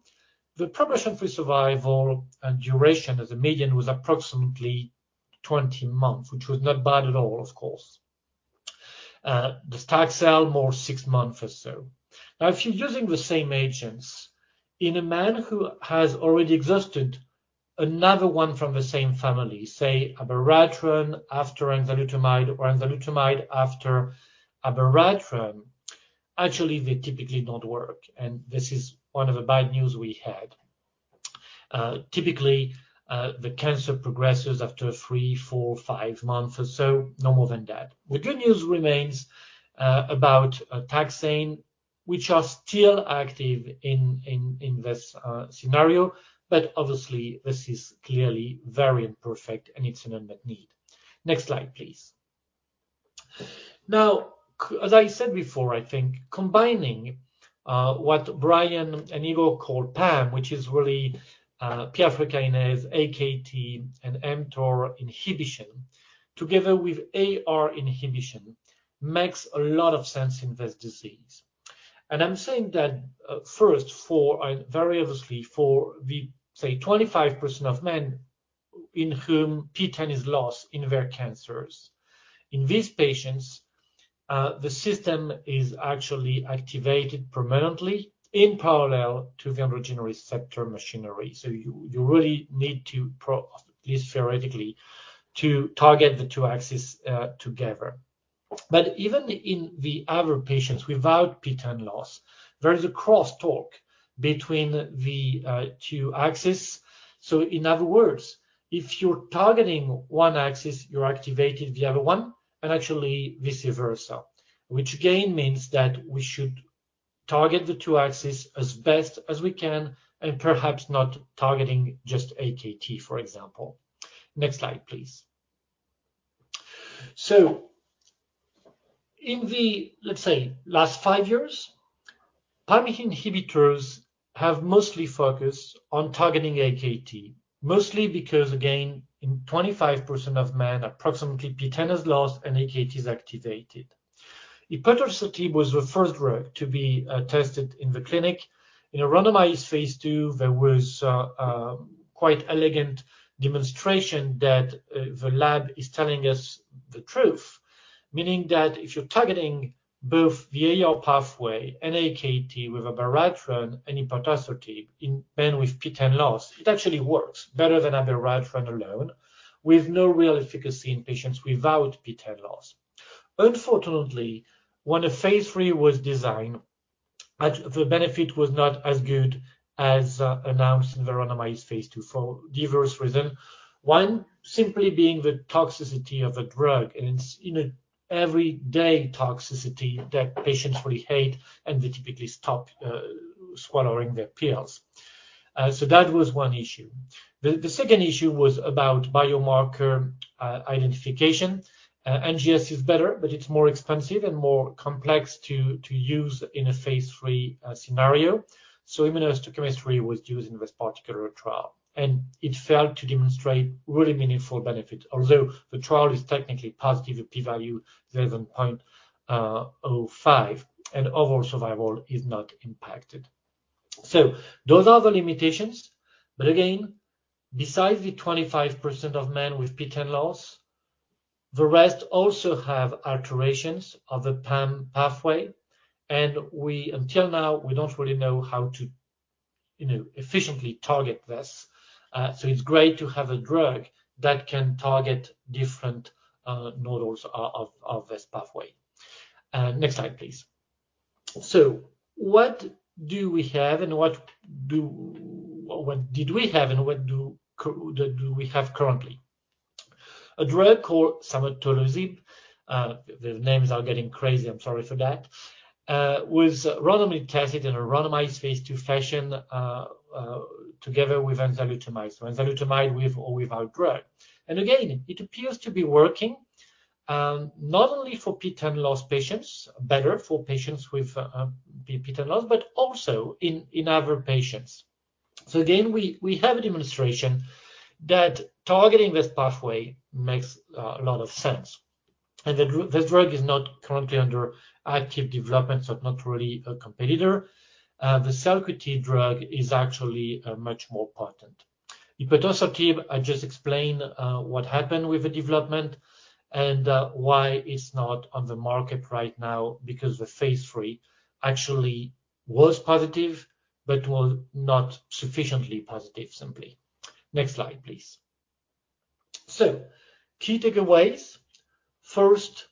the progression-free survival and duration as a median was approximately 20 months, which was not bad at all, of course. Docetaxel, more six months or so. Now, if you're using the same agents in a man who has already exhausted another one from the same family, say, abiraterone after enzalutamide or enzalutamide after abiraterone, actually, they typically not work, and this is one of the bad news we had. Typically, the cancer progresses after three, four, five months or so, no more than that. The good news remains, about taxane, which are still active in, in, in this scenario, but obviously, this is clearly very imperfect, and it's an unmet need. Next slide, please. Now, as I said before, I think combining what Brian and Igor called PAM, which is really PI3K inhibitors, AKT, and mTOR inhibition, together with AR inhibition, makes a lot of sense in this disease. I'm saying that, first, for and very obviously, for the, say, 25% of men in whom PTEN is lost in their cancers. In these patients, the system is actually activated permanently in parallel to the androgen receptor machinery. So you really need to, at least theoretically, target the two axes together. But even in the other patients without PTEN loss, there is a crosstalk between the two axes. So in other words, if you're targeting one axis, you're activating the other one, and actually vice versa. Which again means that we should target the two axes as best as we can, and perhaps not targeting just AKT, for example. Next slide, please. In the last five years, PAM inhibitors have mostly focused on targeting AKT, mostly because, again, in 25% of men, approximately, PTEN is lost and AKT is activated. Ipatasertib was the first drug to be tested in the clinic. In a randomized phase two, there was quite elegant demonstration that the lab is telling us the truth, meaning that if you're targeting both the AR pathway and AKT with abiraterone and ipatasertib in men with PTEN loss, it actually works better than abiraterone alone, with no real efficacy in patients without PTEN loss. Unfortunately, when a phase three was designed, the benefit was not as good as announced in the randomized phase two for diverse reason. 1, simply being the toxicity of a drug, and it's, you know, every day toxicity that patients really hate, and they typically stop swallowing their pills. So that was one issue. The second issue was about biomarker identification. NGS is better, but it's more expensive and more complex to use in a phase III scenario. So immunohistochemistry was used in this particular trial, and it failed to demonstrate really meaningful benefit. Although the trial is technically positive, the p-value is less than 0.05, and overall survival is not impacted. So those are the limitations. But again, besides the 25% of men with PTEN loss, the rest also have alterations of the PAM pathway, and we until now, we don't really know how to, you know, efficiently target this. So it's great to have a drug that can target different nodules of this pathway. Next slide, please. So what do we have, and what did we have, and what do we have currently? A drug called samotolisib, the names are getting crazy, I'm sorry for that, was randomly tested in a randomized phase II fashion, together with enzalutamide. So enzalutamide with or without drug. And again, it appears to be working, not only for PTEN loss patients, better for patients with PTEN loss, but also in other patients. So again, we have a demonstration that targeting this pathway makes a lot of sense, and this drug is not currently under active development, so not really a competitor. The Celcuity drug is actually much more potent. Ipatasertib, I just explained, what happened with the development and, why it's not on the market right now, because the phase III actually was positive but was not sufficiently positive, simply. Next slide, please. So key takeaways. First,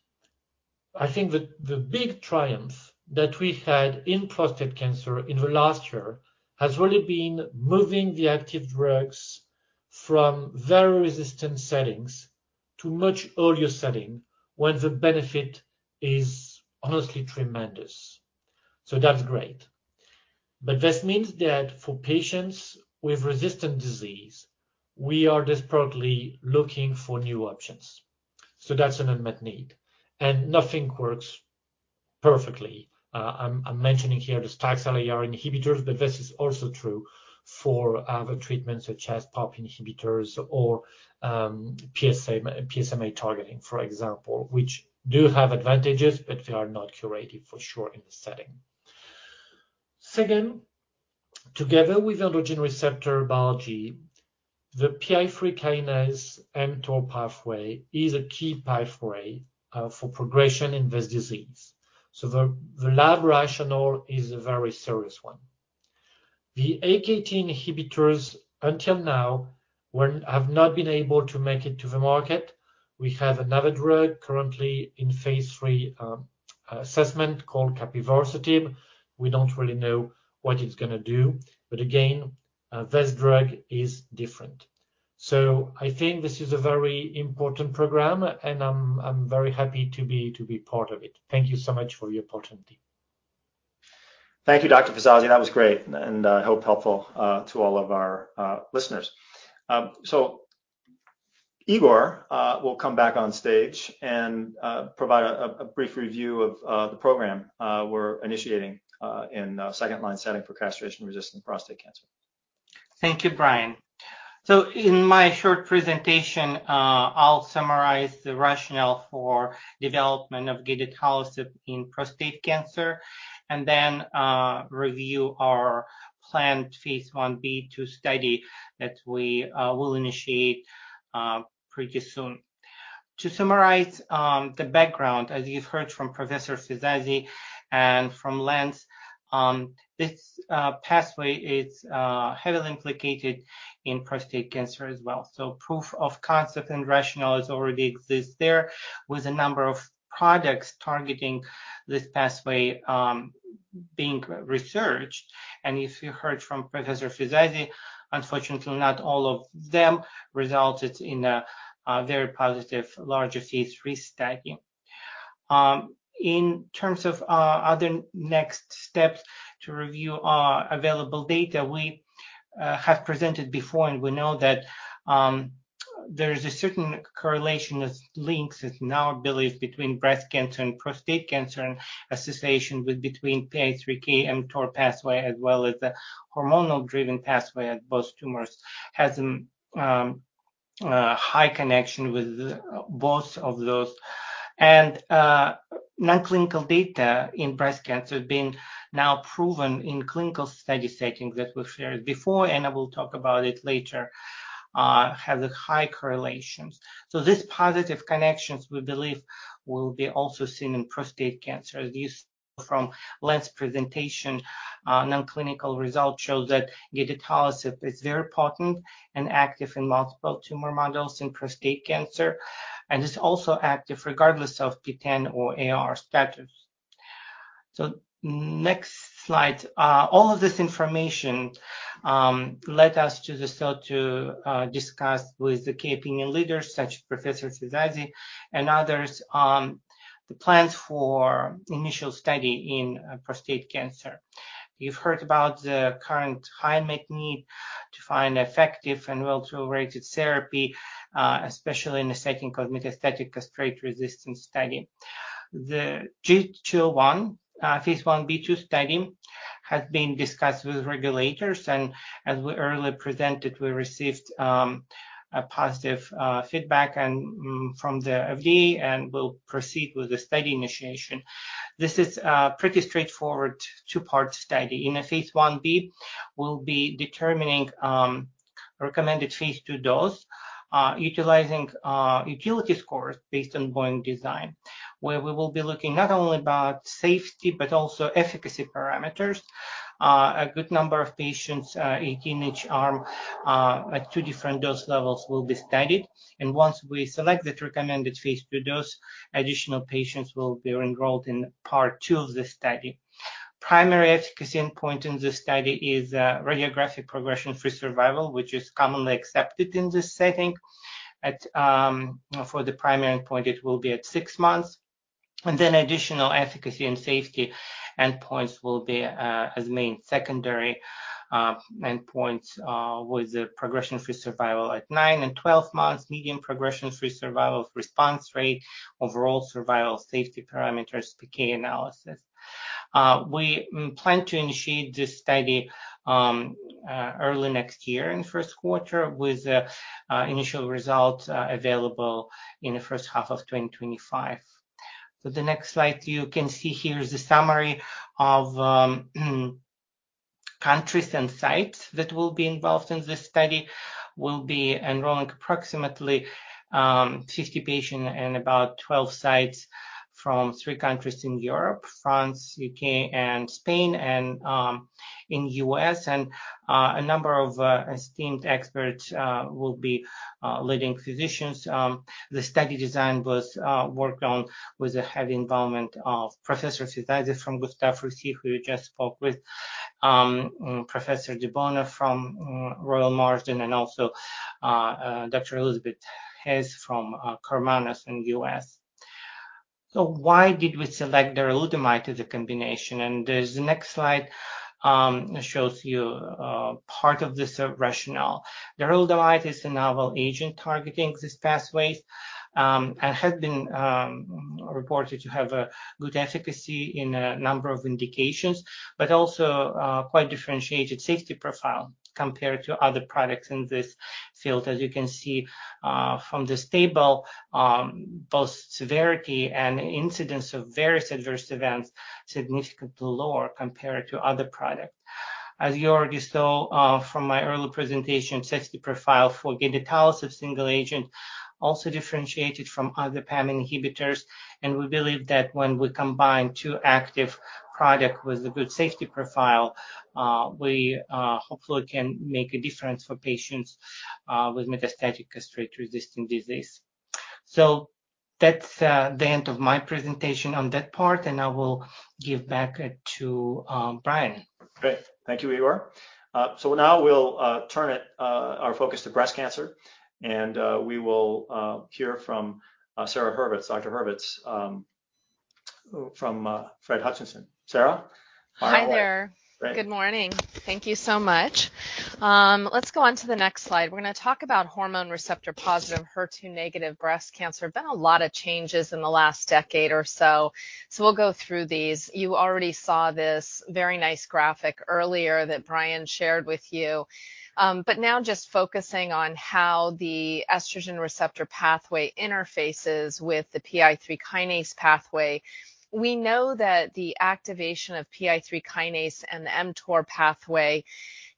I think the big triumph that we had in prostate cancer in the last year has really been moving the active drugs from very resistant settings to much earlier setting, where the benefit is honestly tremendous. So that's great. But this means that for patients with resistant disease, we are desperately looking for new options. So that's an unmet need, and nothing works perfectly. I'm mentioning here the taxanes AR inhibitors, but this is also true for other treatments such as PARP inhibitors or PSA, PSMA targeting, for example, which do have advantages, but they are not curative for sure in this setting. Second, together with androgen receptor biology, the PI3 kinase mTOR pathway is a key pathway for progression in this disease. The lab rationale is a very serious one. The AKT inhibitors, until now, have not been able to make it to the market. We have another drug currently in phase III assessment called capivasertib. We don't really know what it's gonna do, but again, this drug is different. I think this is a very important program, and I'm very happy to be part of it. Thank you so much for your attention. Thank you, Dr. Fizazi. That was great, and I hope helpful to all of our listeners. So Igor will come back on stage and provide a brief review of the program we're initiating in the second-line setting for castration-resistant prostate cancer. Thank you, Brian. In my short presentation, I'll summarize the rationale for development of gedatolisib in prostate cancer, and then review our planned phase I-B/II study that we will initiate pretty soon. To summarize the background, as you've heard from Professor Fizazi and from Lance, this pathway is heavily implicated in prostate cancer as well. Proof of concept and rationale already exists there, with a number of products targeting this pathway being researched. If you heard from Professor Fizazi, unfortunately, not all of them resulted in a very positive larger phase III study. In terms of other next steps to review our available data, we have presented before, and we know that there is a certain correlation as links, it's now believed, between breast cancer and prostate cancer, and association with between PI3K and mTOR pathway, as well as the hormonal-driven pathway, and both tumors has high connection with both of those. Non-clinical data in breast cancer have been now proven in clinical study settings that we've shared before, and I will talk about it later, has a high correlations. So these positive connections, we believe, will be also seen in prostate cancer, as you saw from last presentation, non-clinical results show that gedatolisib is very potent and active in multiple tumor models in prostate cancer, and is also active regardless of PTEN or AR status. So next slide. All of this information led us to decide to discuss with the key opinion leaders, such as Professor Fizazi and others, the plans for initial study in prostate cancer. You've heard about the current high unmet need to find effective and well-tolerated therapy, especially in the setting of metastatic castration-resistant study. The G21 phase I-B/II study has been discussed with regulators, and as we earlier presented, we received positive feedback from the FDA, and we'll proceed with the study initiation. This is a pretty straightforward two-part study. In phase I-B, we'll be determining recommended phase II dose utilizing utility scores based on BOIN design, where we will be looking not only at safety but also efficacy parameters. A good number of patients, 18 in each arm, at two different dose levels will be studied. Once we select the recommended phase II dose, additional patients will be enrolled in part two of the study. Primary efficacy endpoint in this study is radiographic progression-free survival, which is commonly accepted in this setting. For the primary endpoint, it will be at six months, and then additional efficacy and safety endpoints will be as main secondary endpoints, with the progression-free survival at nine and 12 months, median progression-free survival, response rate, overall survival, safety parameters, PK analysis. We plan to initiate this study early next year in first quarter, with the initial results available in the first half of 2025. So the next slide, you can see here is a summary of countries and sites that will be involved in this study. We'll be enrolling approximately 50 patients and about 12 sites from three countries in Europe, France, U.K., and Spain, and in U.S. And a number of esteemed experts will be leading physicians. The study design was worked on with the heavy involvement of Professor Fizazi from Gustave Roussy, who you just spoke with, Professor de Bono from Royal Marsden, and also Dr. Elisabeth Heath from Karmanos in the U.S. So why did we select darolutamide as a combination? And the next slide shows you part of this rationale. Darolutamide is a novel agent targeting these pathways and has been reported to have a good efficacy in a number of indications, but also quite differentiated safety profile compared to other products in this field. As you can see from this table, both severity and incidence of various adverse events are significantly lower compared to other products. As you already saw from my earlier presentation, safety profile for gedatolisib single agent also differentiated from other PAM inhibitors, and we believe that when we combine two active product with a good safety profile, we hopefully can make a difference for patients with metastatic castrate-resistant disease. That's the end of my presentation on that part, and I will give back it to Brian. Great. Thank you, Igor. Now we'll turn our focus to breast cancer, and we will hear from Sara Hurvitz. Dr. Hurvitz from Fred Hutchinson. Sara? Hi there. Great. Good morning. Thank you so much. Let's go on to the next slide. We're gonna talk about hormone receptor-positive, HER2-negative breast cancer. Been a lot of changes in the last decade or so, so we'll go through these. You already saw this very nice graphic earlier that Brian shared with you. Now just focusing on how the estrogen receptor pathway interfaces with the PI3 kinase pathway. We know that the activation of PI3 kinase and the mTOR pathway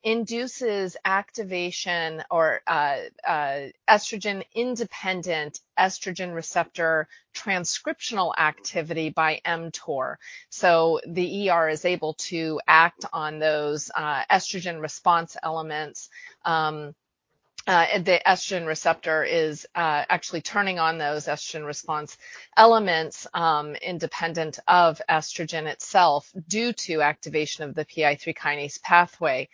induces activation or estrogen-independent, estrogen receptor transcriptional activity by mTOR. The ER is able to act on those estrogen response elements, and the estrogen receptor is actually turning on those estrogen response elements, independent of estrogen itself due to activation of the PI3 kinase pathway.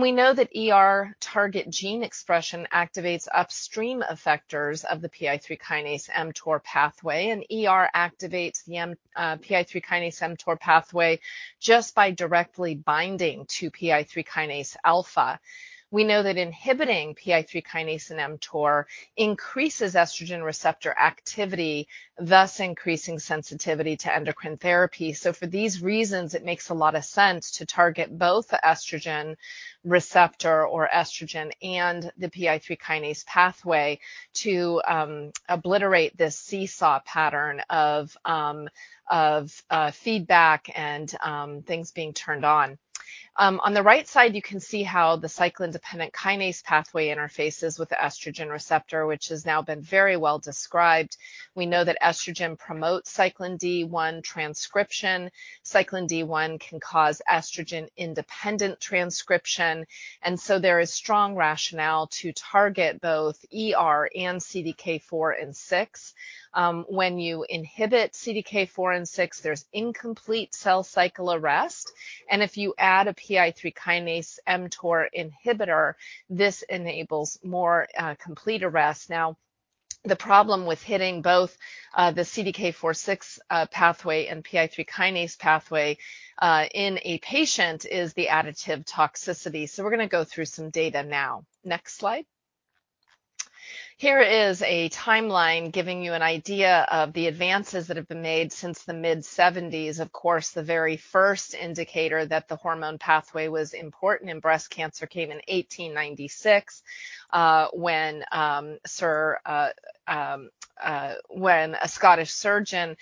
We know that ER target gene expression activates upstream effectors of the PI3 kinase mTOR pathway, and ER activates the PI3 kinase mTOR pathway just by directly binding to PI3 kinase alpha. We know that inhibiting PI3 kinase and mTOR increases estrogen receptor activity, thus increasing sensitivity to endocrine therapy. For these reasons, it makes a lot of sense to target both the estrogen receptor or estrogen and the PI3 kinase pathway to obliterate this seesaw pattern of feedback and things being turned on. On the right side, you can see how the cyclin-dependent kinase pathway interfaces with the estrogen receptor, which has now been very well described. We know that estrogen promotes cyclin D1 transcription. Cyclin D1 can cause estrogen-independent transcription, and so there is strong rationale to target both ER and CDK4 and 6. When you inhibit CDK4 and 6, there's incomplete cell cycle arrest, and if you add a PI3 kinase mTOR inhibitor, this enables more, complete arrest. Now, the problem with hitting both, the CDK4/6, pathway and PI3 kinase pathway, in a patient is the additive toxicity. So we're gonna go through some data now. Next slide. Here is a timeline giving you an idea of the advances that have been made since the mid-1970s. Of course, the very first indicator that the hormone pathway was important in breast cancer came in 1896, when, Sir, when a Scottish surgeon,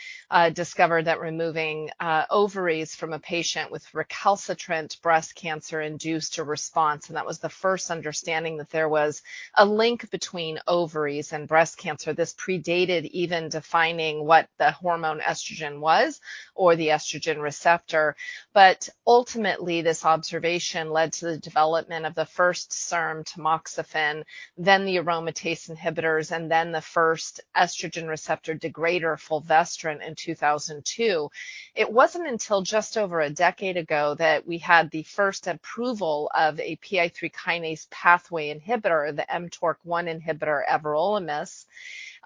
discovered that removing, ovaries from a patient with recalcitrant breast cancer induced a response, and that was the first understanding that there was a link between ovaries and breast cancer. This predated even defining what the hormone estrogen was or the estrogen receptor. But ultimately, this observation led to the development of the first SERM, tamoxifen, then the aromatase inhibitors, and then the first estrogen receptor degraders, fulvestrant, in 2002. It wasn't until just over a decade ago that we had the first approval of a PI3 kinase pathway inhibitor, the mTORC1 inhibitor, everolimus.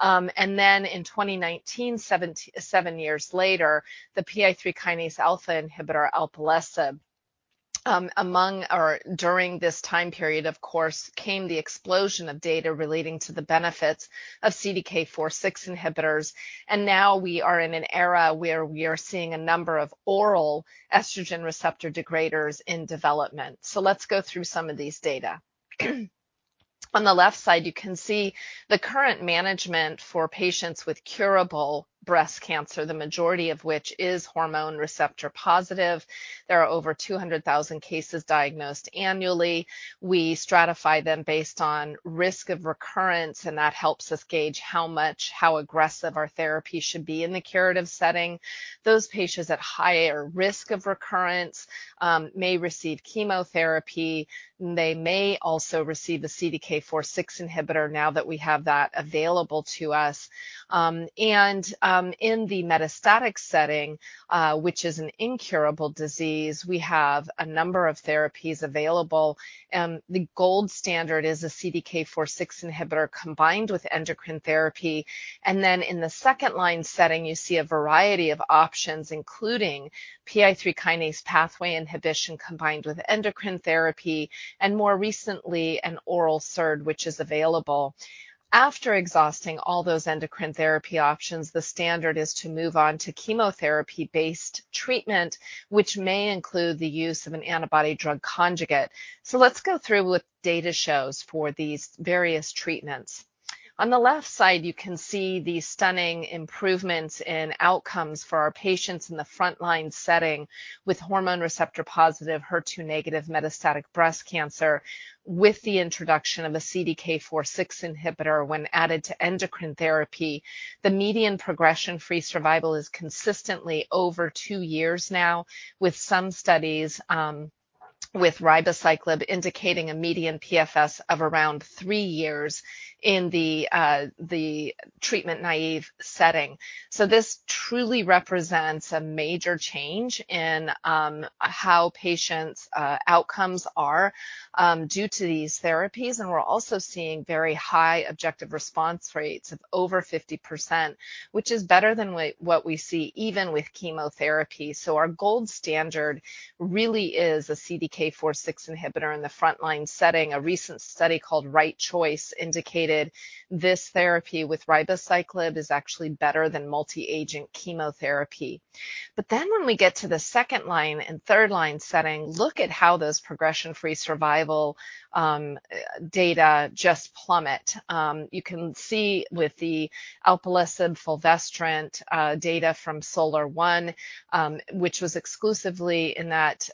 And then in 2019, 77 years later, the PI3 kinase alpha inhibitor alpelisib. Among or during this time period, of course, came the explosion of data relating to the benefits of CDK4/6 inhibitors, and now we are in an era where we are seeing a number of oral estrogen receptor degraders in development. So let's go through some of these data. On the left side, you can see the current management for patients with curable breast cancer, the majority of which is hormone receptor-positive. There are over 200,000 cases diagnosed annually. We stratify them based on risk of recurrence, and that helps us gauge how much, how aggressive our therapy should be in the curative setting. Those patients at higher risk of recurrence, may receive chemotherapy, and they may also receive a CDK4/6 inhibitor now that we have that available to us. And, in the metastatic setting, which is an incurable disease, we have a number of therapies available. The gold standard is a CDK4/6 inhibitor combined with endocrine therapy. And then in the second-line setting, you see a variety of options, including PI3 kinase pathway inhibition combined with endocrine therapy and more recently, an oral SERD, which is available. After exhausting all those endocrine therapy options, the standard is to move on to chemotherapy-based treatment, which may include the use of an antibody drug conjugate. So let's go through what data shows for these various treatments. On the left side, you can see the stunning improvements in outcomes for our patients in the frontline setting with hormone receptor-positive, HER2-negative metastatic breast cancer. With the introduction of a CDK4/6 inhibitor when added to endocrine therapy, the median progression-free survival is consistently over two years now, with some studies with ribociclib indicating a median PFS of around three years in the treatment-naive setting. So this truly represents a major change in how patients' outcomes are due to these therapies, and we're also seeing very high objective response rates of over 50%, which is better than what, what we see even with chemotherapy. So our gold standard really is a CDK4/6 inhibitor in the frontline setting. A recent study called Right Choice indicated this therapy with ribociclib is actually better than multi-agent chemotherapy. But then when we get to the second-line and third-line setting, look at how those progression-free survival data just plummet. You can see with the alpelisib/fulvestrant data from SOLAR-1, which was exclusively in that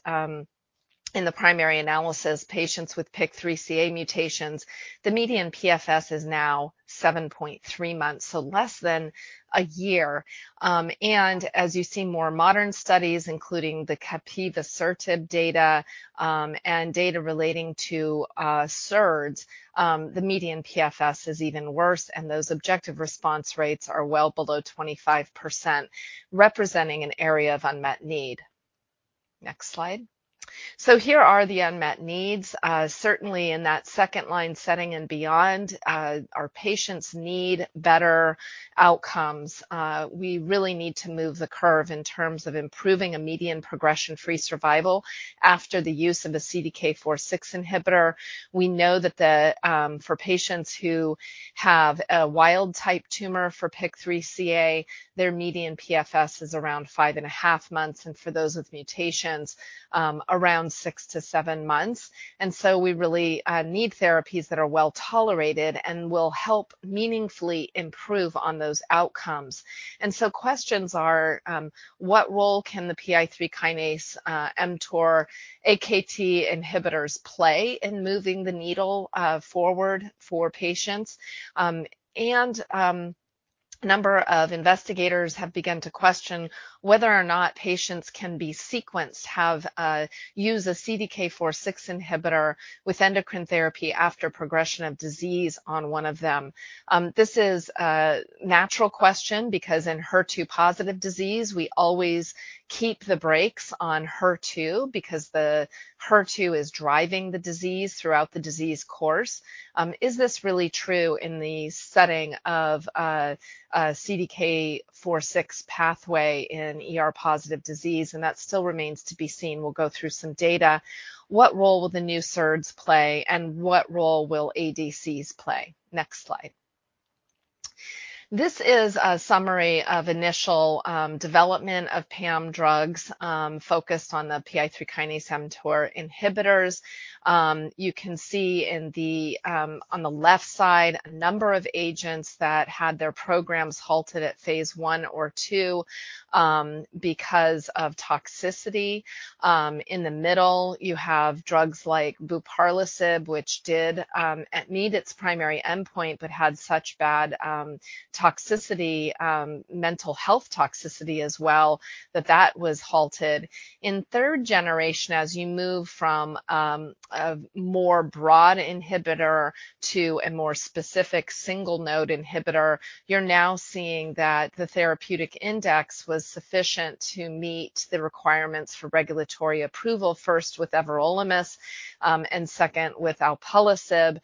in the primary analysis, patients with PIK3CA mutations, the median PFS is now 7.3 months, so less than a year. And as you see more modern studies, including the capivasertib data, and data relating to SERDs, the median PFS is even worse, and those objective response rates are well below 25%, representing an area of unmet need. Next slide. So here are the unmet needs. Certainly in that second-line setting and beyond, our patients need better outcomes. We really need to move the curve in terms of improving a median progression-free survival after the use of a CDK4/6 inhibitor. We know that for patients who have a wild-type tumor for PIK3CA, their median PFS is around 5.5 months, and for those with mutations, around six-seven months. And so we really need therapies that are well-tolerated and will help meaningfully improve on those outcomes. And so questions are: What role can the PI3 kinase, mTOR AKT inhibitors play in moving the needle, forward for patients? And, a number of investigators have begun to question whether or not patients can be sequenced, have, use a CDK4/6 inhibitor with endocrine therapy after progression of disease on one of them. This is a natural question because in HER2-positive disease, we always keep the brakes on HER2 because the HER2 is driving the disease throughout the disease course. Is this really true in the setting of a CDK4/6 pathway in ER-positive disease? That still remains to be seen. We'll go through some data. What role will the new SERDs play, and what role will ADCs play? Next slide. This is a summary of initial development of PI3K/AKT/mTOR drugs, focused on the PI3K mTOR inhibitors. You can see on the left side, a number of agents that had their programs halted at phase I or II, because of toxicity. In the middle, you have drugs like buparlisib, which did meet its primary endpoint but had such bad toxicity, mental health toxicity as well, that that was halted. In third generation, as you move from a more broad inhibitor to a more specific single-node inhibitor, you're now seeing that the therapeutic index was sufficient to meet the requirements for regulatory approval, first with everolimus, and second with alpelisib.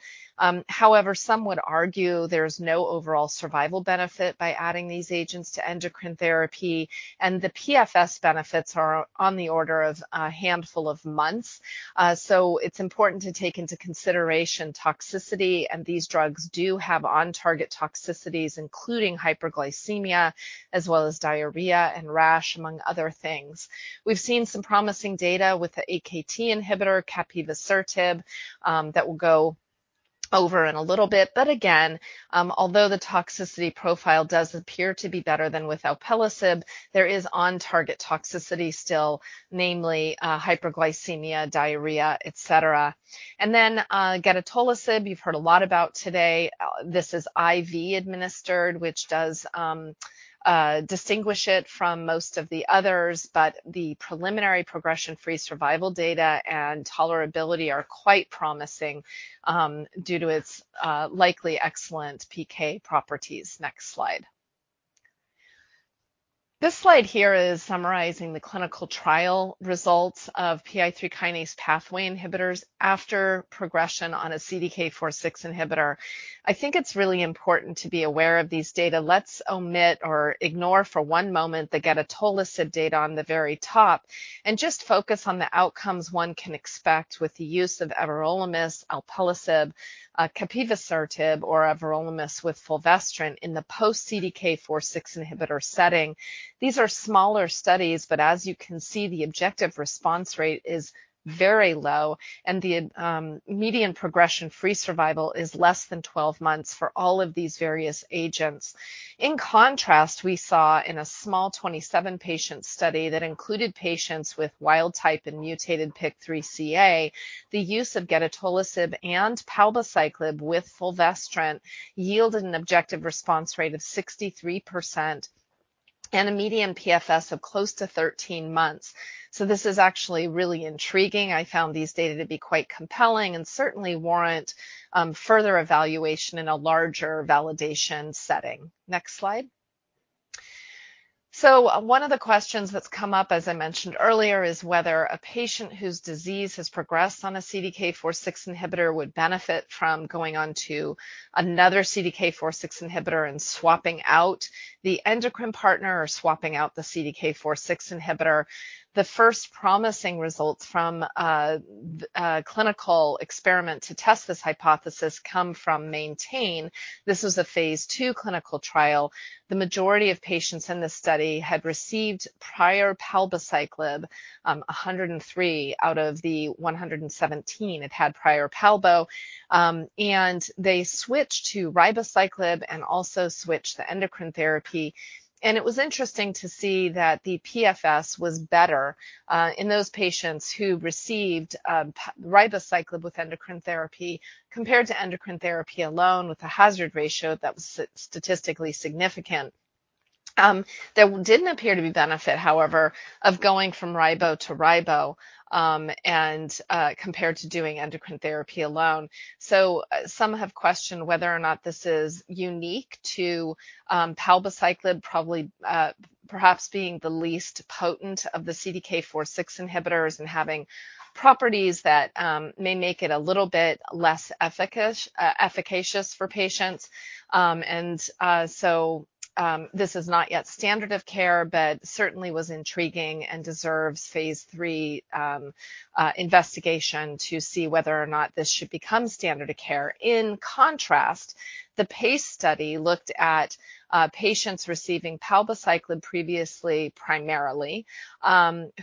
However, some would argue there's no overall survival benefit by adding these agents to endocrine therapy, and the PFS benefits are on the order of a handful of months. So it's important to take into consideration toxicity, and these drugs do have on-target toxicities, including hyperglycemia, as well as diarrhea and rash, among other things. We've seen some promising data with the AKT inhibitor, capivasertib, that we'll go over in a little bit. But again, although the toxicity profile does appear to be better than with alpelisib, there is on-target toxicity still, namely, hyperglycemia, diarrhea, et cetera. And then, gedatolisib, you've heard a lot about today. This is IV administered, which does distinguish it from most of the others, but the preliminary progression-free survival data and tolerability are quite promising, due to its likely excellent PK properties. Next slide. This slide here is summarizing the clinical trial results of PI3 kinase pathway inhibitors after progression on a CDK4/6 inhibitor. I think it's really important to be aware of these data. Let's omit or ignore for one moment, the gedatolisib data on the very top, and just focus on the outcomes one can expect with the use of everolimus, alpelisib, capivasertib, or everolimus with fulvestrant in the post-CDK4/6 inhibitor setting. These are smaller studies, but as you can see, the objective response rate is very low, and the median progression-free survival is less than 12 months for all of these various agents. In contrast, we saw in a small 27-patient study that included patients with wild-type and mutated PIK3CA, the use of gedatolisib and palbociclib with fulvestrant yielded an objective response rate of 63% and a median PFS of close to 13 months. So this is actually really intriguing. I found these data to be quite compelling and certainly warrant further evaluation in a larger validation setting. Next slide. So one of the questions that's come up, as I mentioned earlier, is whether a patient whose disease has progressed on a CDK4/6 inhibitor would benefit from going on to another CDK4/6 inhibitor and swapping out the endocrine partner or swapping out the CDK4/6 inhibitor. The first promising results from a clinical experiment to test this hypothesis come from MAINTAIN. This was a phase II clinical trial. The majority of patients in this study had received prior palbociclib, 103 out of the 117 had had prior palbo, and they switched to ribociclib and also switched to endocrine therapy. And it was interesting to see that the PFS was better in those patients who received ribociclib with endocrine therapy compared to endocrine therapy alone, with a hazard ratio that was statistically significant. There didn't appear to be benefit, however, of going from ribo to ribo and compared to doing endocrine therapy alone. Some have questioned whether or not this is unique to palbociclib, probably, perhaps being the least potent of the CDK4/6 inhibitors and having properties that may make it a little bit less efficacious for patients. This is not yet standard of care, but certainly was intriguing and deserves phase three investigation to see whether or not this should become standard of care. In contrast, the PACE study looked at patients receiving palbociclib previously, primarily,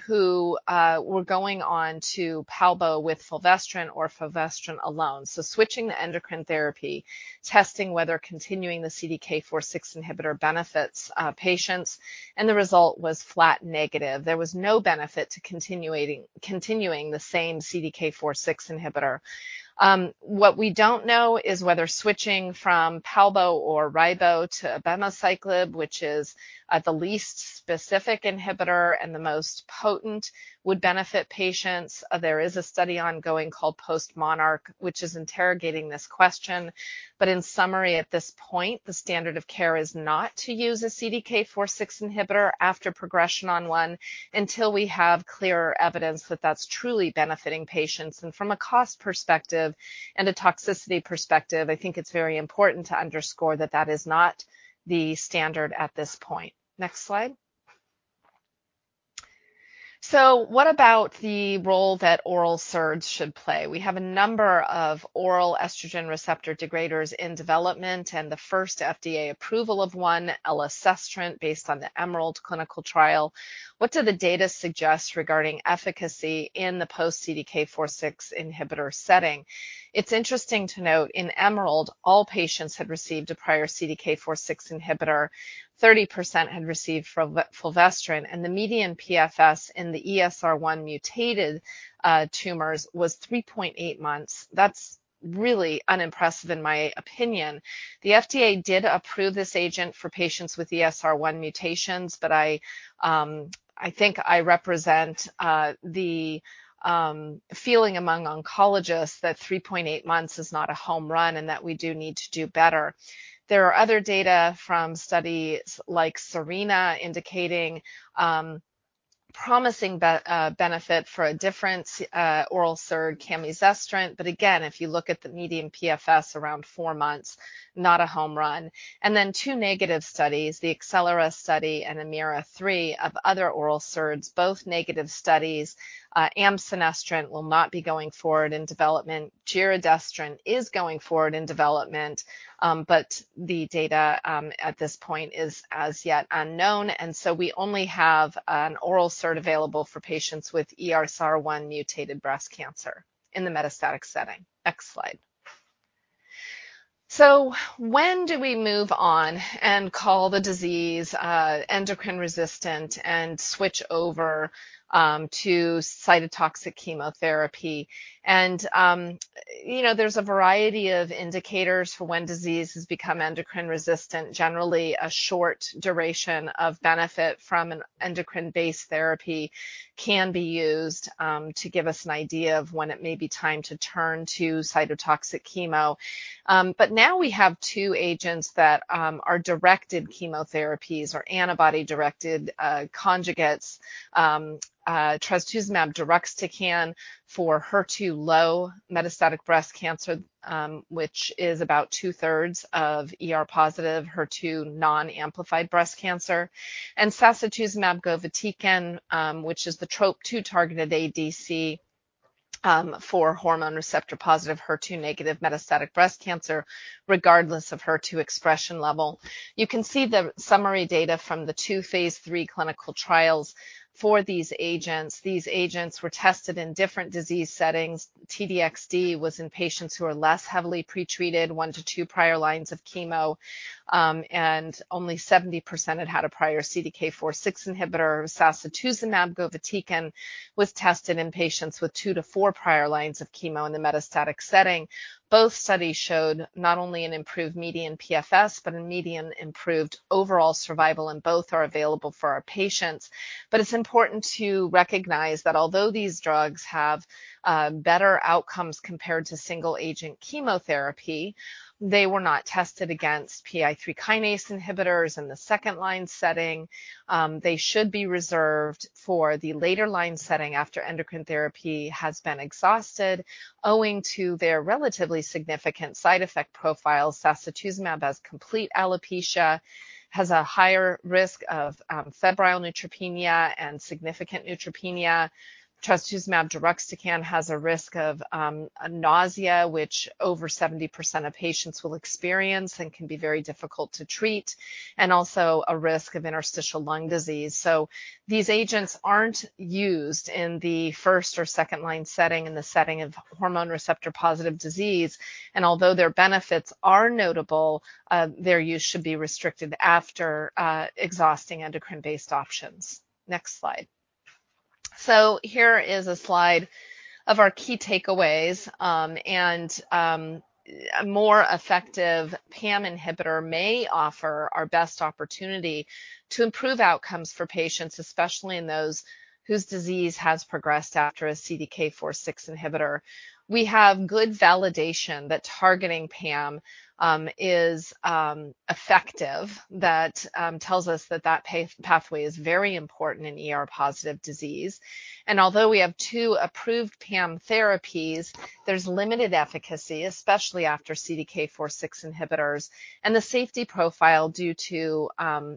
who were going on to palbo with fulvestrant or fulvestrant alone. Switching the endocrine therapy, testing whether continuing the CDK4/6 inhibitor benefits patients, and the result was flat negative. There was no benefit to continuing the same CDK4/6 inhibitor. What we don't know is whether switching from palbo or ribo to abemaciclib, which is, the least specific inhibitor and the most potent, would benefit patients. There is a study ongoing called PostMONARCH, which is interrogating this question. But in summary, at this point, the standard of care is not to use a CDK4/6 inhibitor after progression on one, until we have clearer evidence that that's truly benefiting patients. And from a cost perspective and a toxicity perspective, I think it's very important to underscore that that is not the standard at this point. Next slide. So what about the role that oral SERDs should play? We have a number of oral estrogen receptor degraders in development, and the first FDA approval of one, elacestrant, based on the EMERALD clinical trial. What do the data suggest regarding efficacy in the post-CDK4/6 inhibitor setting? It's interesting to note, in EMERALD, all patients had received a prior CDK4/6 inhibitor, 30% had received fulvestrant, and the median PFS in the ESR1-mutated tumors was 3.8 months. That's really unimpressive, in my opinion. The FDA did approve this agent for patients with ESR1 mutations, but I think I represent the feeling among oncologists that 3.8 months is not a home run and that we do need to do better. There are other data from studies like SERENA, indicating promising benefit for a different oral SERD, camizestrant. But again, if you look at the median PFS, around four months, not a home run. And then two negative studies, the ACCELERA study and AMEERA-3, of other oral SERDs, both negative studies. Amcenestrant will not be going forward in development. Giredestrant is going forward in development, but the data at this point is as yet unknown, and so we only have an oral SERD available for patients with ESR1 mutated breast cancer in the metastatic setting. Next slide. So when do we move on and call the disease endocrine resistant and switch over to cytotoxic chemotherapy? And, you know, there's a variety of indicators for when disease has become endocrine resistant. Generally, a short duration of benefit from an endocrine-based therapy can be used to give us an idea of when it may be time to turn to cytotoxic chemo. But now we have two agents that are directed chemotherapies or antibody-directed conjugates, trastuzumab deruxtecan for HER2-low metastatic breast cancer, which is about two-thirds of ER positive, HER2 non-amplified breast cancer, and sacituzumab govitecan, which is the Trop-2 targeted ADC, for hormone receptor-positive, HER2-negative metastatic breast cancer, regardless of HER2 expression level. You can see the summary data from the two phase III clinical trials for these agents. These agents were tested in different disease settings. T-DXd was in patients who are less heavily pretreated, one-two prior lines of chemo, and only 70% had had a prior CDK4/6 inhibitor. Sacituzumab govitecan was tested in patients with two-four prior lines of chemo in the metastatic setting. Both studies showed not only an improved median PFS, but a median improved overall survival, and both are available for our patients. But it's important to recognize that although these drugs have better outcomes compared to single-agent chemotherapy, they were not tested against PI3 kinase inhibitors in the second-line setting. They should be reserved for the later line setting after endocrine therapy has been exhausted, owing to their relatively significant side effect profile. Sacituzumab has complete alopecia, has a higher risk of febrile neutropenia and significant neutropenia. Trastuzumab deruxtecan has a risk of nausea, which over 70% of patients will experience and can be very difficult to treat, and also a risk of interstitial lung disease. So these agents aren't used in the first or second-line setting, in the setting of hormone receptor-positive disease, and although their benefits are notable, their use should be restricted after exhausting endocrine-based options. Next slide. So here is a slide of our key takeaways, and a more effective PAM inhibitor may offer our best opportunity to improve outcomes for patients, especially in those whose disease has progressed after a CDK4/6 inhibitor. We have good validation that targeting PAM is effective, that tells us that that pathway is very important in ER-positive disease. And although we have two approved PAM therapies, there's limited efficacy, especially after CDK4/6 inhibitors, and the safety profile due to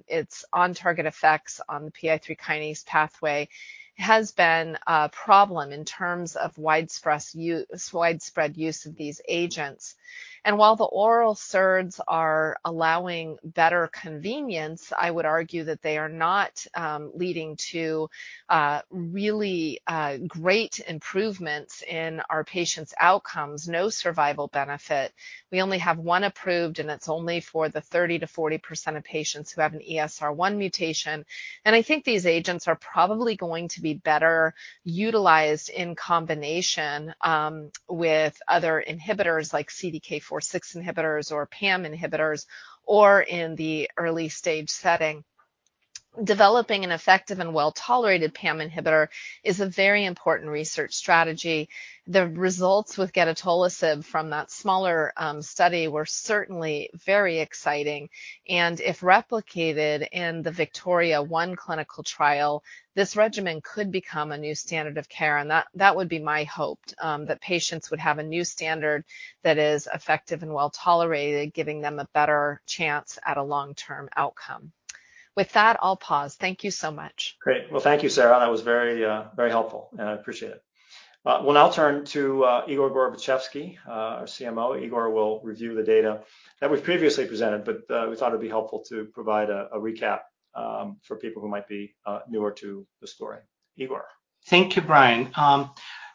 its on-target effects on the PI3 kinase pathway has been a problem in terms of widespread use of these agents. While the oral SERDs are allowing better convenience, I would argue that they are not leading to really great improvements in our patients' outcomes, no survival benefit. We only have one approved, and it's only for the 30%-40% of patients who have an ESR1 mutation. I think these agents are probably going to be better utilized in combination with other inhibitors like CDK4/6 inhibitors or PAM inhibitors, or in the early-stage setting. Developing an effective and well-tolerated PAM inhibitor is a very important research strategy. The results with gedatolisib from that smaller study were certainly very exciting, and if replicated in the VIKTORIA-1 clinical trial, this regimen could become a new standard of care, and that would be my hope, that patients would have a new standard that is effective and well-tolerated, giving them a better chance at a long-term outcome. With that, I'll pause. Thank you so much. Great. Well, thank you, Sara. That was very, very helpful, and I appreciate it. We'll now turn to Igor Gorbatchevsky, our CMO. Igor will review the data that we've previously presented, but we thought it'd be helpful to provide a recap for people who might be newer to the story. Igor? Thank you, Brian.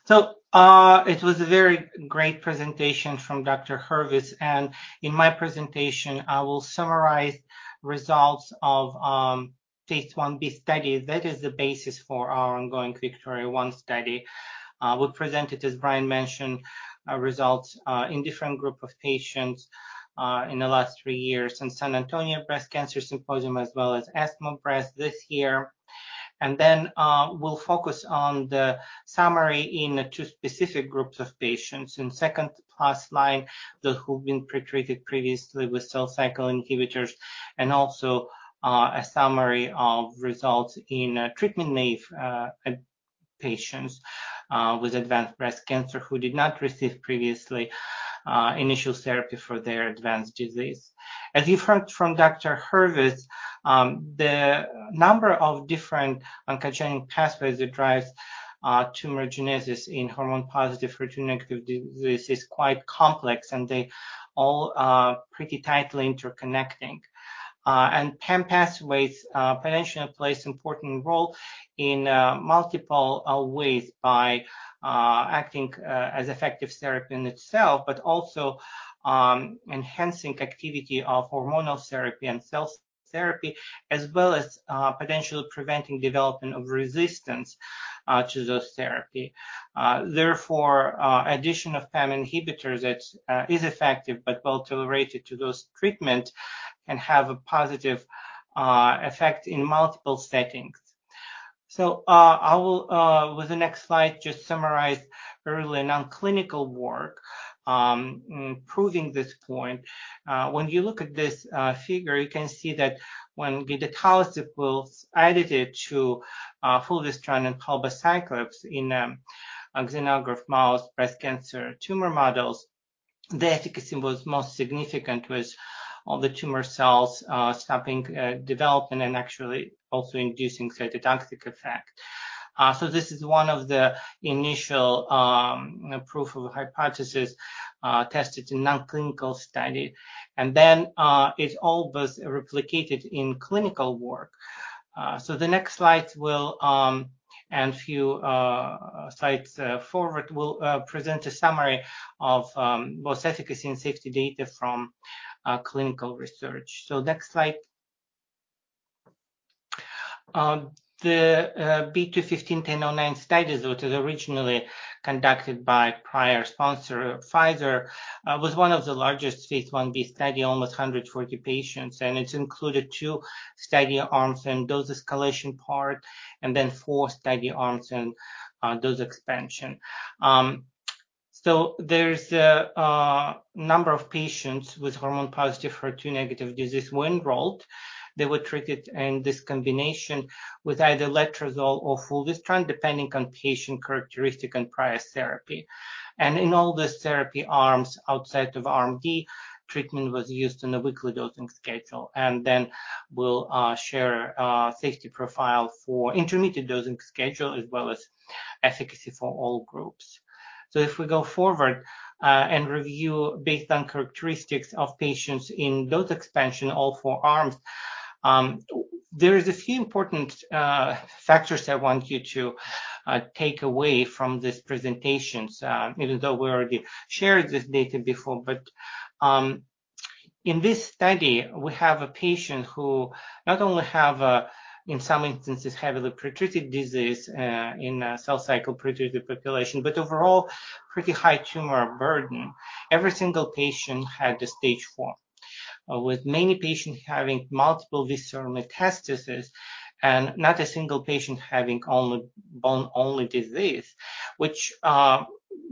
It was a very great presentation from Dr. Hurvitz, and in my presentation, I will summarize results of phase I-B study. That is the basis for our ongoing VIKTORIA-1 study. We presented, as Brian mentioned, results in different group of patients in the last three years in San Antonio Breast Cancer Symposium as well as ESMO Breast this year. We'll focus on the summary in two specific groups of patients, in second plus line, those who've been pretreated previously with cell cycle inhibitors, and also a summary of results in treatment-naive patients with advanced breast cancer who did not receive previously initial therapy for their advanced disease. As you heard from Dr. However, the number of different oncogenic pathways that drives tumorigenesis in hormone-positive, HER2-negative disease is quite complex, and they all are pretty tightly interconnecting. PAM pathways potentially plays important role in multiple ways by acting as effective therapy in itself, but also enhancing activity of hormonal therapy and CDK therapy, as well as potentially preventing development of resistance to those therapy. Therefore, addition of PAM inhibitors that is effective but well-tolerated to those treatment can have a positive effect in multiple settings. I will, with the next slide, just summarize early non-clinical work proving this point. When you look at this figure, you can see that when gedatolisib was added to fulvestrant and palbociclib in xenograft mouse breast cancer tumor models, the efficacy was most significant with all the tumor cells stopping development and actually also inducing cytotoxic effect. So this is one of the initial proof of hypothesis tested in non-clinical study, and then it all was replicated in clinical work. So the next slide will and few slides forward will present a summary of both efficacy and safety data from clinical research. So next slide. The B2151009 studies, which was originally conducted by prior sponsor, Pfizer, was one of the largest phase I-B study, almost 140 patients, and it included two study arms and dose escalation part, and then four study arms and dose expansion. There's a number of patients with hormone positive, HER2 negative disease were enrolled. They were treated in this combination with either letrozole or fulvestrant, depending on patient characteristic and prior therapy. In all the therapy arms outside of arm D, treatment was used in a weekly dosing schedule, and then we'll share safety profile for intermediate dosing schedule as well as efficacy for all groups. If we go forward and review based on characteristics of patients in dose expansion, all four arms, there is a few important factors I want you to take away from this presentation. Even though we already shared this data before, in this study, we have a patient who not only have, in some instances, heavily pretreated disease, in a cell cycle-pretreated population, but overall, pretty high tumor burden. Every single patient had a stage four, with many patients having multiple visceral metastases and not a single patient having only bone-only disease, which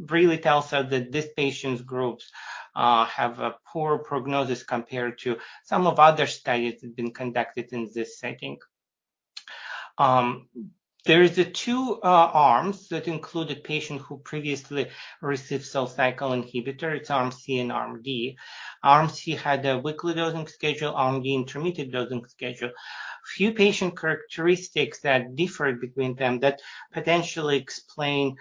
really tells us that these patients groups have a poor prognosis compared to some of other studies that have been conducted in this setting. There is the two arms that include a patient who previously received cell cycle inhibitor. It's arm C and arm D. Arm C had a weekly dosing schedule, arm D, intermittent dosing schedule. Few patient characteristics that differed between them that potentially explain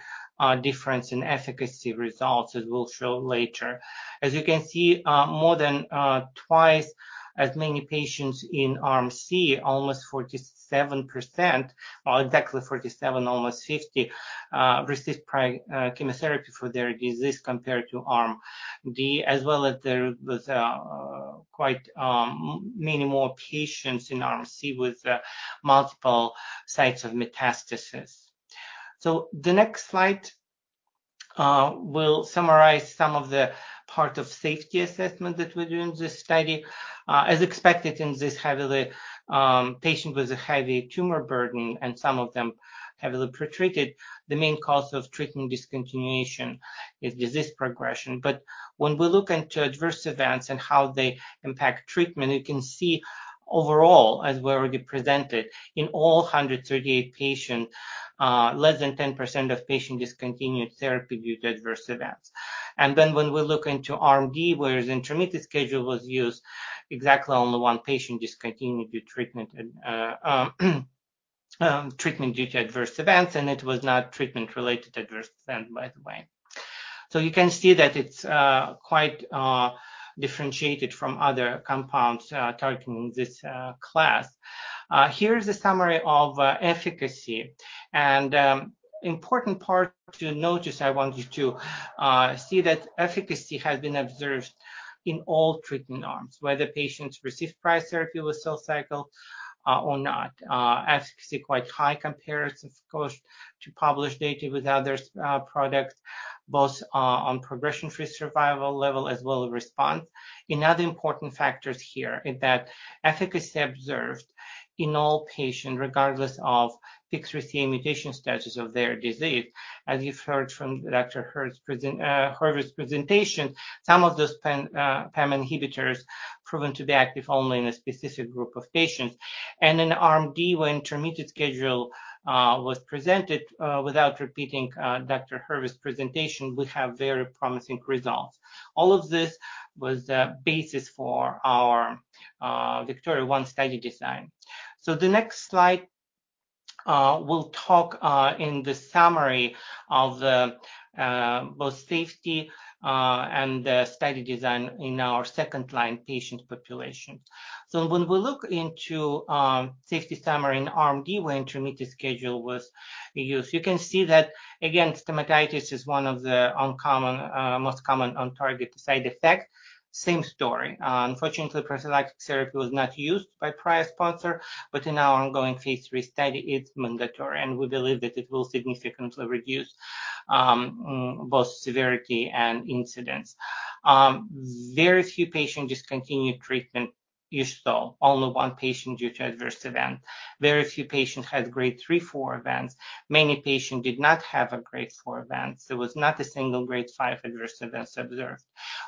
difference in efficacy results, as we'll show later. As you can see, more than twice as many patients in arm C, almost 47%, or exactly 47, almost 50, received prior chemotherapy for their disease compared to arm D, as well as there was quite many more patients in arm C with multiple sites of metastasis. So the next slide will summarize some of the part of safety assessment that we do in this study. As expected in this heavily patient with a heavy tumor burden and some of them heavily pretreated, the main cause of treatment discontinuation is disease progression. But when we look into adverse events and how they impact treatment, you can see overall, as we already presented, in all 138 patients, less than 10% of patients discontinued therapy due to adverse events. And then when we look into arm D, where the intermittent schedule was used, exactly only one patient discontinued the treatment and treatment due to adverse events, and it was not treatment-related adverse event, by the way. So you can see that it's quite differentiated from other compounds targeting this class. Here is a summary of efficacy. And important part to notice, I want you to see that efficacy has been observed in all treatment arms, whether patients receive prior therapy with cell cycle or not. Efficacy quite high compared, of course, to published data with other products, both on progression-free survival level as well as response. Another important factor here is that efficacy observed in all patients, regardless of PI3K mutation status of their disease. As you've heard from Dr. Hurvitz's presentation, some of those PAM inhibitors proven to be active only in a specific group of patients. In arm D, where intermittent schedule was presented, without repeating Dr. Hurvitz's presentation, we have very promising results. All of this was the basis for our VIKTORIA-1 study design. The next slide will talk, in the summary of both safety and the study design in our second-line patient population. So when we look into safety summary in arm D, where intermittent schedule was used, you can see that, again, stomatitis is one of the uncommon most common on-target side effect. Same story. Unfortunately, prophylactic therapy was not used by prior sponsor, but in our ongoing phase III study, it's mandatory, and we believe that it will significantly reduce both severity and incidence. Very few patients discontinued treatment; you saw only one patient due to adverse event. Very few patients had Grade 3-4 events. Many patients did not have a Grade 4 event. There was not a single Grade 5 adverse events observed.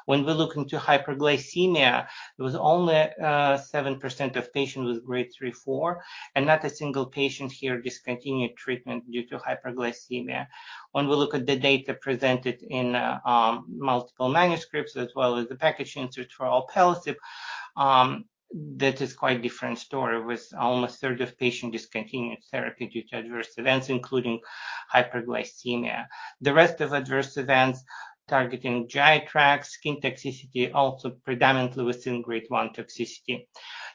When we look into hyperglycemia, it was only 7% of patients with Grade 3-4, and not a single patient here discontinued treatment due to hyperglycemia. When we look at the data presented in, multiple manuscripts, as well as the package insert for alpelisib, that is quite different story, with almost a third of patients discontinuing therapy due to adverse events, including hyperglycemia. The rest of adverse events targeting GI tract, skin toxicity, also predominantly within Grade 1 toxicity.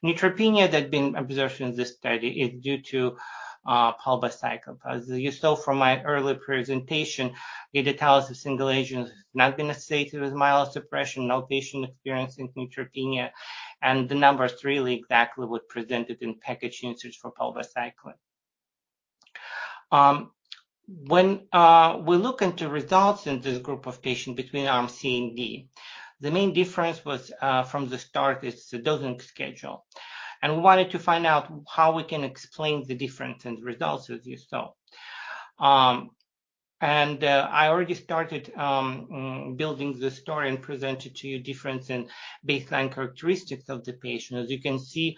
Neutropenia that have been observed in this study is due to, palbociclib. As you saw from my earlier presentation, gedatolisib, single agent has not been associated with myelosuppression, no patient experiencing neutropenia, and the numbers really exactly what presented in package inserts for palbociclib. When we look into results in this group of patients between arm C and D, the main difference was, from the start, is the dosing schedule, and we wanted to find out how we can explain the difference in the results as you saw. I already started building this story and presented to you difference in baseline characteristics of the patient. As you can see,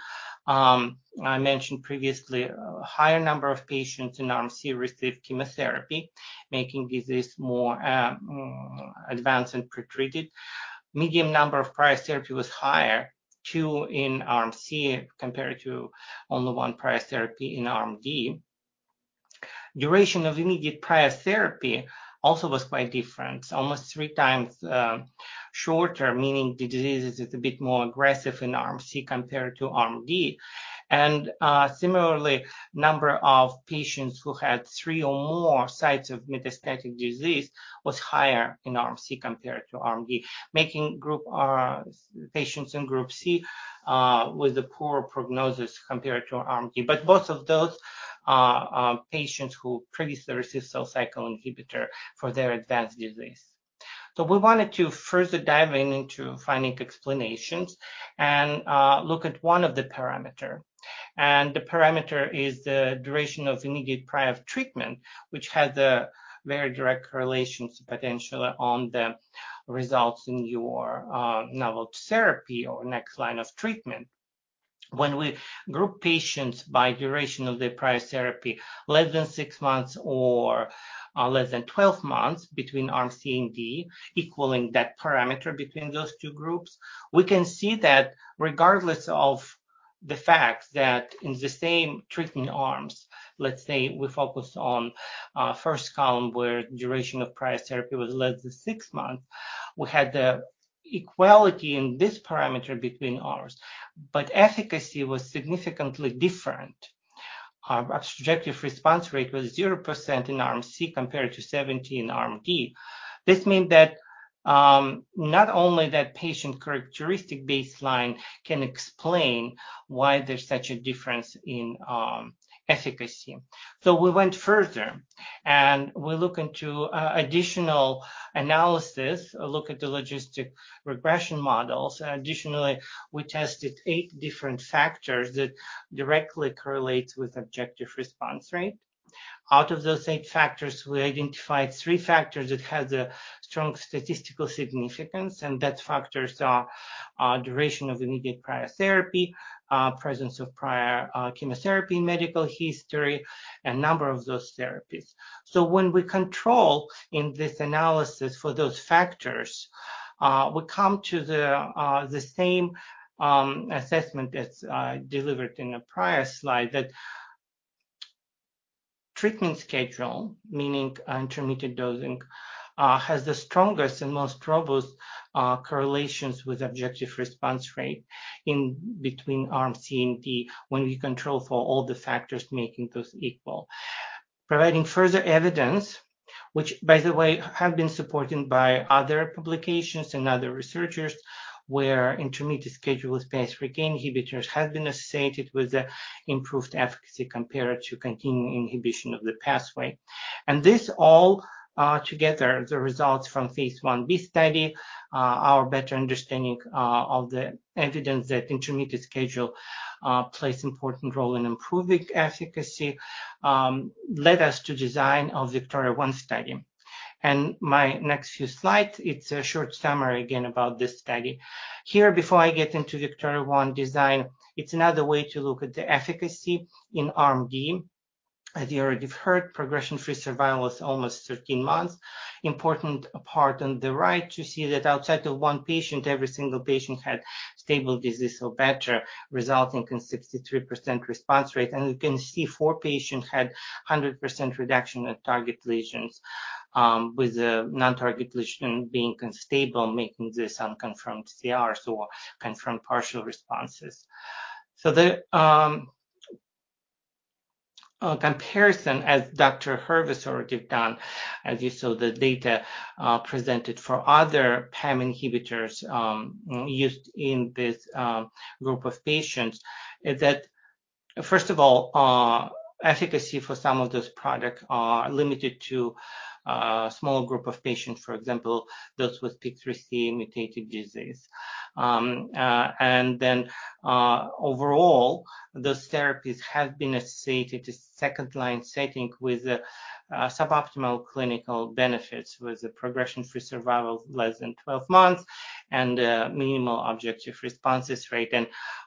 I mentioned previously, a higher number of patients in arm C received chemotherapy, making disease more advanced and pretreated. Median number of prior therapy was higher, two in arm C compared to only one prior therapy in arm D. Duration of immediate prior therapy also was quite different, almost three times shorter, meaning the disease is a bit more aggressive in arm C compared to arm D. Similarly, number of patients who had three or more sites of metastatic disease was higher in arm C compared to arm D, making patients in group C with a poor prognosis compared to arm D. But both of those are patients who previously received cell cycle inhibitor for their advanced disease. So we wanted to further dive in into finding explanations and, look at one of the parameter. And the parameter is the duration of immediate prior treatment, which has a very direct correlation to potential on the results in your, novel therapy or next line of treatment. When we group patients by duration of their prior therapy, less than six months or, less than 12 months between arm C and D, equaling that parameter between those two groups, we can see that regardless of the fact that in the same treatment arms, let's say we focused on, first column, where duration of prior therapy was less than six months, we had the equality in this parameter between arms, but efficacy was significantly different. Objective response rate was 0% in arm C compared to 70% in arm D. This mean that not only that patient characteristic baseline can explain why there's such a difference in efficacy. So we went further, and we look into additional analysis, look at the logistic regression models. Additionally, we tested eight different factors that directly correlates with objective response rate. Out of those eight factors, we identified three factors that had a strong statistical significance, and that factors are duration of immediate prior therapy, presence of prior chemotherapy, medical history, and number of those therapies. So when we control in this analysis for those factors, we come to the, the same, assessment that's, delivered in a prior slide, that treatment schedule, meaning intermittent dosing, has the strongest and most robust, correlations with objective response rate in between arm C and D when we control for all the factors making those equal. Providing further evidence, which by the way, have been supported by other publications and other researchers, where intermittent schedule with PI3K inhibitors has been associated with the improved efficacy compared to continued inhibition of the pathway. And this all, together, the results from phase I-B study, are better understanding, of the evidence that intermittent schedule, plays important role in improving efficacy, led us to design of VIKTORIA-1 study. And my next few slides, it's a short summary again, about this study. Here, before I get into VIKTORIA-1 design, it's another way to look at the efficacy in arm D. As you already heard, progression-free survival is almost 13 months. Important part on the right, you see that outside of one patient, every single patient had stable disease or better, resulting in 63% response rate. You can see four patients had 100% reduction in target lesions, with the non-target lesion being stable, making this unconfirmed CR, so confirmed partial responses. The comparison, as Dr. Hurvitz already done, as you saw, the data presented for other PAM inhibitors used in this group of patients, is that, first of all, efficacy for some of those products are limited to a small group of patients, for example, those with PIK3CA mutated disease. Overall, those therapies have been associated to second-line setting with suboptimal clinical benefits, with the progression-free survival less than 12 months and minimal objective responses rate.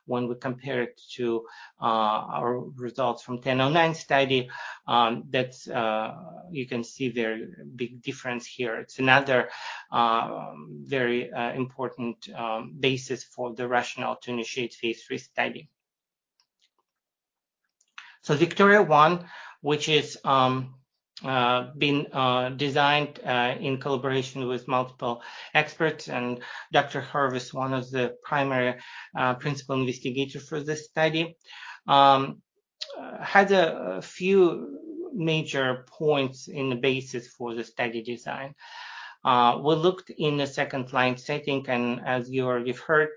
When we compare it to our results from 1009 study, that's... you can see there a big difference here. It's another very important basis for the rationale to initiate phase III study. VIKTORIA-1, which is being designed in collaboration with multiple experts, and Dr. Hurvitz, one of the primary principal investigators for this study, had a few major points in the basis for the study design. We looked in the second-line setting, and as you already heard,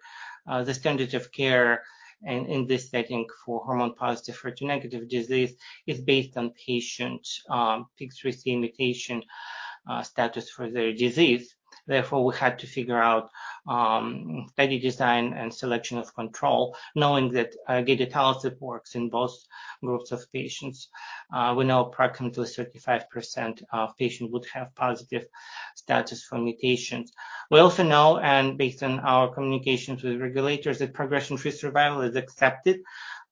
the standard of care in this setting for hormone positive, HER2-negative disease is based on patient PIK3CA mutation status for their disease. Therefore, we had to figure out study design and selection of control, knowing that gedatolisib works in both groups of patients. We know approximately 35% of patients would have positive status for mutations. We also know, and based on our communications with regulators, that progression-free survival is accepted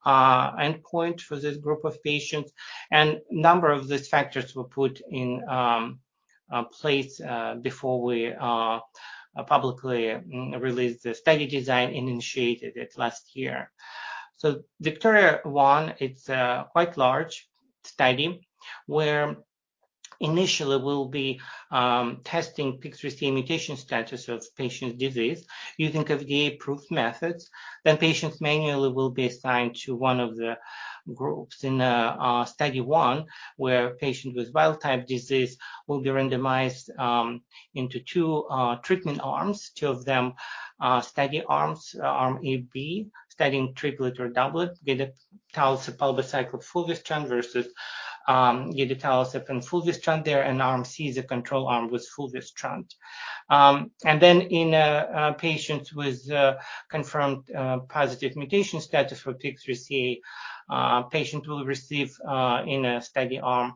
endpoint for this group of patients, and number of these factors were put in place before we publicly released the study design initiated it last year. So VIKTORIA-1, it's a quite large study, where initially we'll be testing PIK3CA mutation status of patient's disease using FDA-approved methods. Then, patients manually will be assigned to one of the groups in our Study 1, where patients with wild-type disease will be randomized into 2 treatment arms. Two of them study arms, arm A B, studying triplet or doublet, gedatolisib palbociclib fulvestrant versus gedatolisib and fulvestrant there, and arm C is a control arm with fulvestrant. And then in a patient with confirmed positive mutation status for PIK3CA, patient will receive in a study arm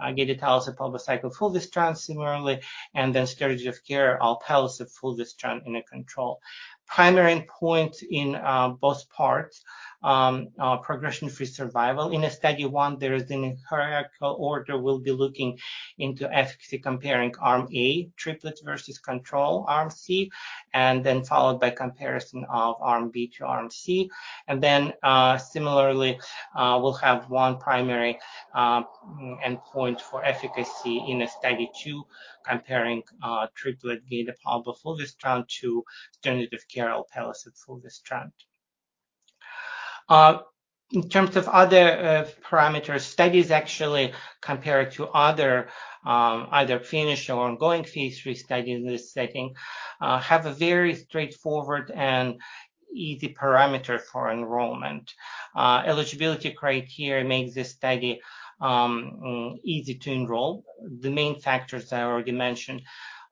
gedatolisib palbociclib fulvestrant similarly, and then standard of care or palbociclib fulvestrant in a control. Primary endpoint in both parts progression-free survival. In Study 1, there is in a hierarchical order, we'll be looking into efficacy, comparing arm A, triplet versus control, arm C, and then followed by comparison of arm B to arm C. Then, similarly, we'll have one primary endpoint for efficacy in Study 2, comparing triplet gedatolisib fulvestrant to standard of care palbociclib fulvestrant. In terms of other parameters, studies, actually, compared to other either finished or ongoing phase III studies in this setting have a very straightforward and easy parameter for enrollment. Eligibility criteria makes this study easy to enroll. The main factors I already mentioned,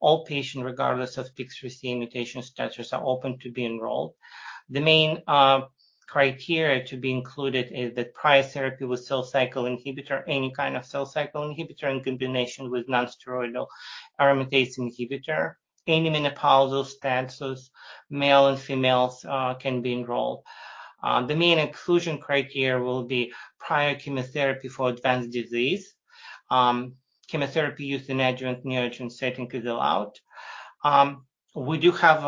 all patients, regardless of PIK3CA mutation status, are open to be enrolled. The main criteria to be included is the prior therapy with cell cycle inhibitor, any kind of cell cycle inhibitor in combination with non-steroidal aromatase inhibitor, any menopausal status, males and females can be enrolled. The main inclusion criteria will be prior chemotherapy for advanced disease. Chemotherapy used in adjuvant/neoadjuvant setting is allowed. We do have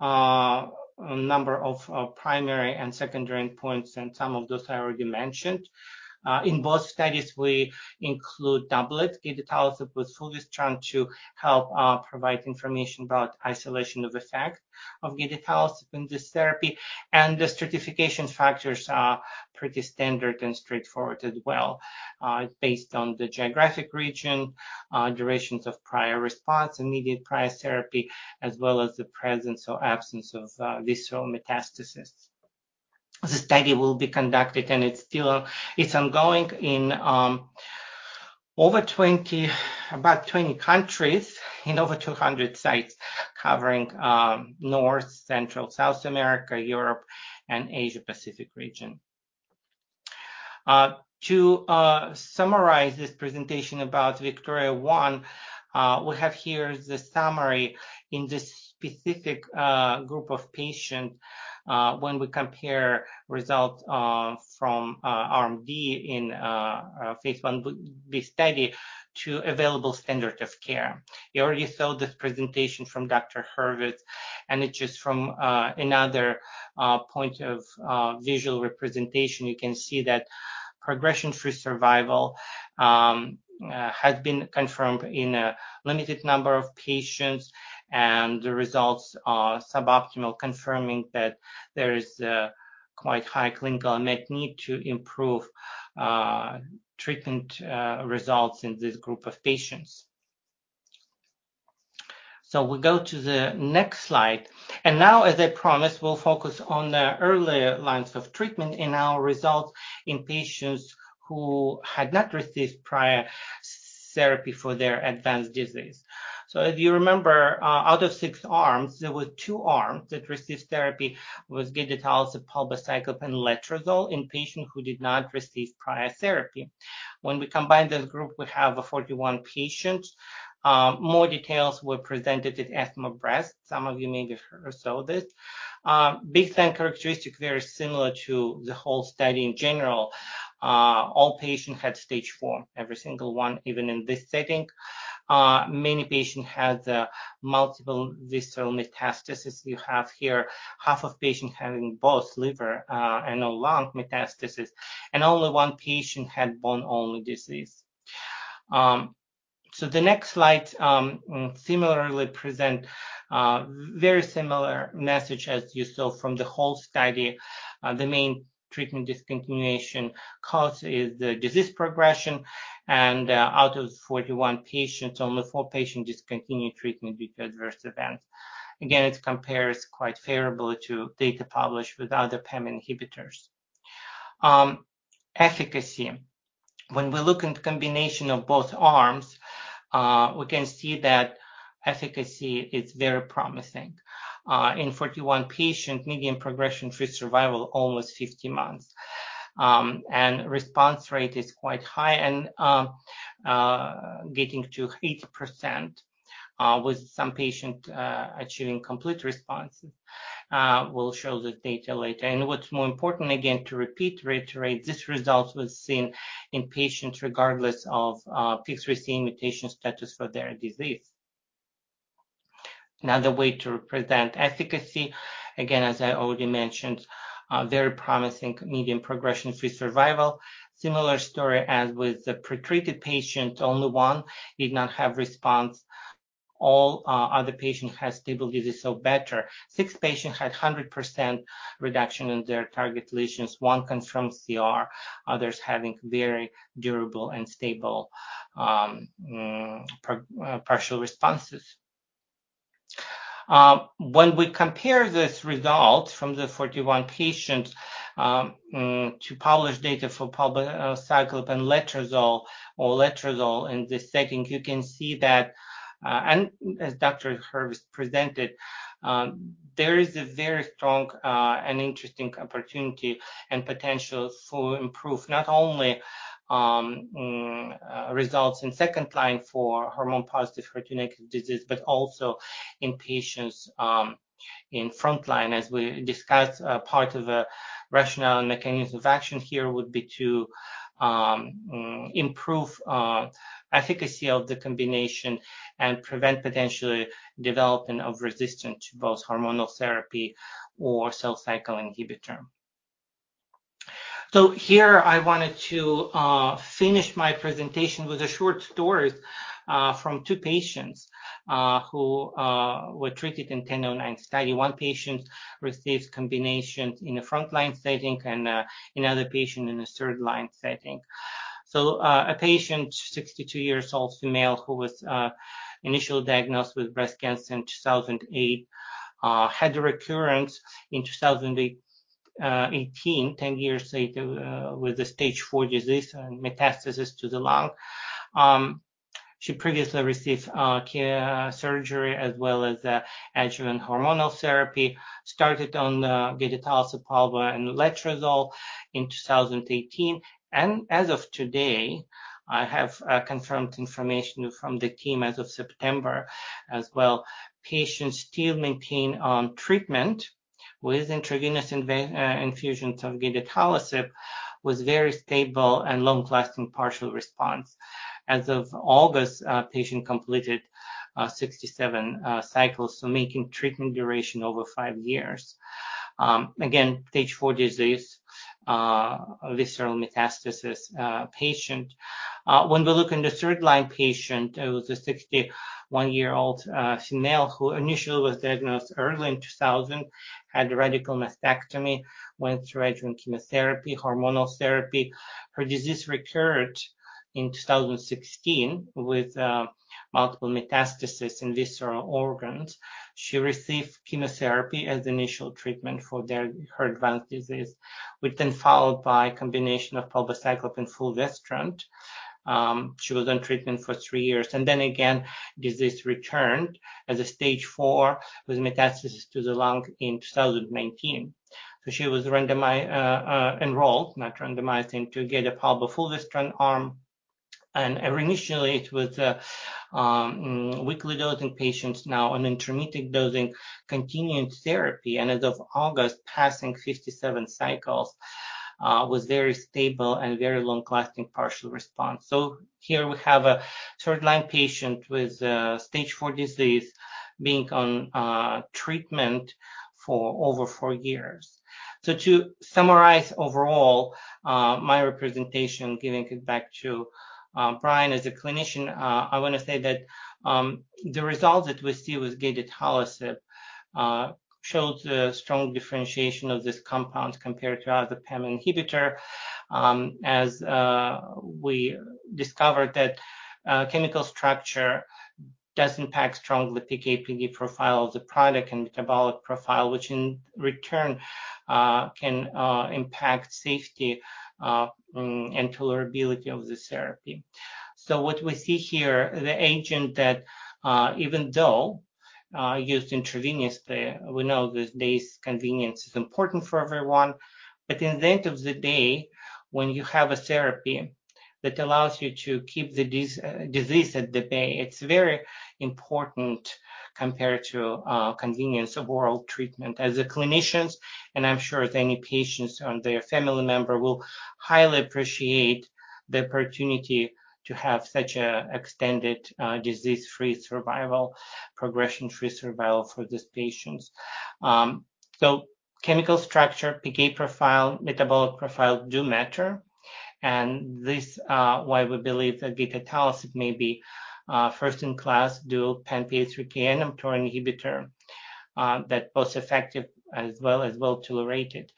a number of primary and secondary endpoints, and some of those I already mentioned. In both studies, we include doublet gedatolisib with fulvestrant to help provide information about isolation of effect of gedatolisib in this therapy. The stratification factors are pretty standard and straightforward as well, based on the geographic region, durations of prior response and immediate prior therapy, as well as the presence or absence of visceral metastasis. The study will be conducted, and it's ongoing in about 20 countries in over 200 sites, covering North, Central, South America, Europe, and Asia-Pacific region. To summarize this presentation about VIKTORIA-1, we have here the summary in this specific group of patient, when we compare results from arm D in a phase Ib study to available standard of care. You already saw this presentation from Dr. Hurvitz, and it's just from another point of visual representation. You can see that progression-free survival has been confirmed in a limited number of patients, and the results are suboptimal, confirming that there is a quite high clinical and medical need to improve treatment results in this group of patients. So we go to the next slide, and now, as I promised, we'll focus on the earlier lines of treatment in our results in patients who had not received prior therapy for their advanced disease. If you remember, out of six arms, there were two arms that received therapy with gedatolisib, palbociclib, and letrozole in patients who did not receive prior therapy. When we combine this group, we have 41 patients. More details were presented at ESMO Breast. Some of you may have heard or saw this. Baseline characteristics, very similar to the whole study in general. All patients had stage 4, every single one, even in this setting. Many patients had multiple visceral metastasis. You have here, half of patients having both liver and lung metastasis, and only one patient had bone-only disease. The next slide similarly presents a very similar message as you saw from the whole study. The main treatment discontinuation cause is the disease progression, and out of 41 patients, only four patients discontinued treatment due to adverse events. Again, it compares quite favorable to data published with other PAM inhibitors. Efficacy. When we look at the combination of both arms, we can see that efficacy is very promising. In 41 patients, median progression-free survival almost 50 months. And response rate is quite high and getting to 80%... with some patient achieving complete response. We'll show the data later. And what's more important, again, to repeat, reiterate, this result was seen in patients regardless of PIK3CA mutation status for their disease. Another way to represent efficacy, again, as I already mentioned, a very promising median progression-free survival. Similar story as with the pre-treated patient, only one did not have response. All other patient has stable disease, so better. Six patients had 100% reduction in their target lesions, one confirmed CR, others having very durable and stable, partial responses. When we compare this result from the 41 patients to publish data for palbociclib and letrozole or letrozole in this setting, you can see that, as Dr. Hurvitz presented, there is a very strong and interesting opportunity and potential for improve, not only results in second-line for hormone positive HER2 negative disease, but also in patients in frontline. As we discussed, part of the rationale and mechanism of action here would be to improve efficacy of the combination and prevent potentially developing of resistance to both hormonal therapy or cell cycle inhibitor. Here I wanted to finish my presentation with a short stories from two patients who were treated in 1009 study. One patient receives combination in a frontline setting and another patient in a third-line setting. A patient, 62 years old, female, who was initially diagnosed with breast cancer in 2008, had a recurrence in 2018, 10 years later, with a stage 4 disease and metastasis to the lung. She previously received care, surgery, as well as adjuvant hormonal therapy, started on gedatolisib, palbociclib and letrozole in 2018. As of today, I have confirmed information from the team as of September as well. Patient still maintain on treatment with intravenous infusions of gedatolisib, was very stable and long-lasting partial response. As of August, patient completed 67 cycles, so making treatment duration over five years. Again, stage 4 disease, visceral metastasis, patient. When we look in the third line patient, it was a 61-year-old female who initially was diagnosed early in 2000, had a radical mastectomy, went through adjuvant chemotherapy, hormonal therapy. Her disease recurred in 2016 with multiple metastasis in visceral organs. She received chemotherapy as the initial treatment for her advanced disease, which then followed by a combination of palbociclib and fulvestrant. She was on treatment for three years, and then again, disease returned as a stage 4 with metastasis to the lung in 2019. So she was randomized, enrolled, not randomized, into gedatolisib-palbociclib-fulvestrant arm, and initially, it was weekly dosing patients, now on intermittent dosing, continuing therapy, and as of August, passing 57 cycles, was very stable and very long-lasting partial response. So here we have a third-line patient with stage 4 disease being on treatment for over four years. So to summarize overall, my representation, giving it back to Brian, as a clinician, I want to say that the results that we see with gedatolisib shows a strong differentiation of this compound compared to other PAM inhibitor. As we discovered that chemical structure does impact strongly PK/PD profile of the product and metabolic profile, which in return can impact safety and tolerability of this therapy. So what we see here, the agent that, even though used intravenously, we know that this convenience is important for everyone, but in the end of the day, when you have a therapy that allows you to keep the disease at bay, it's very important compared to convenience of oral treatment. As clinicians, and I'm sure if any patients or their family member will highly appreciate the opportunity to have such an extended disease-free survival, progression-free survival for these patients. So chemical structure, PK profile, metabolic profile do matter, and this why we believe that gedatolisib may be first in class dual pan-PI3K inhibitor that both effective as well as well-tolerated.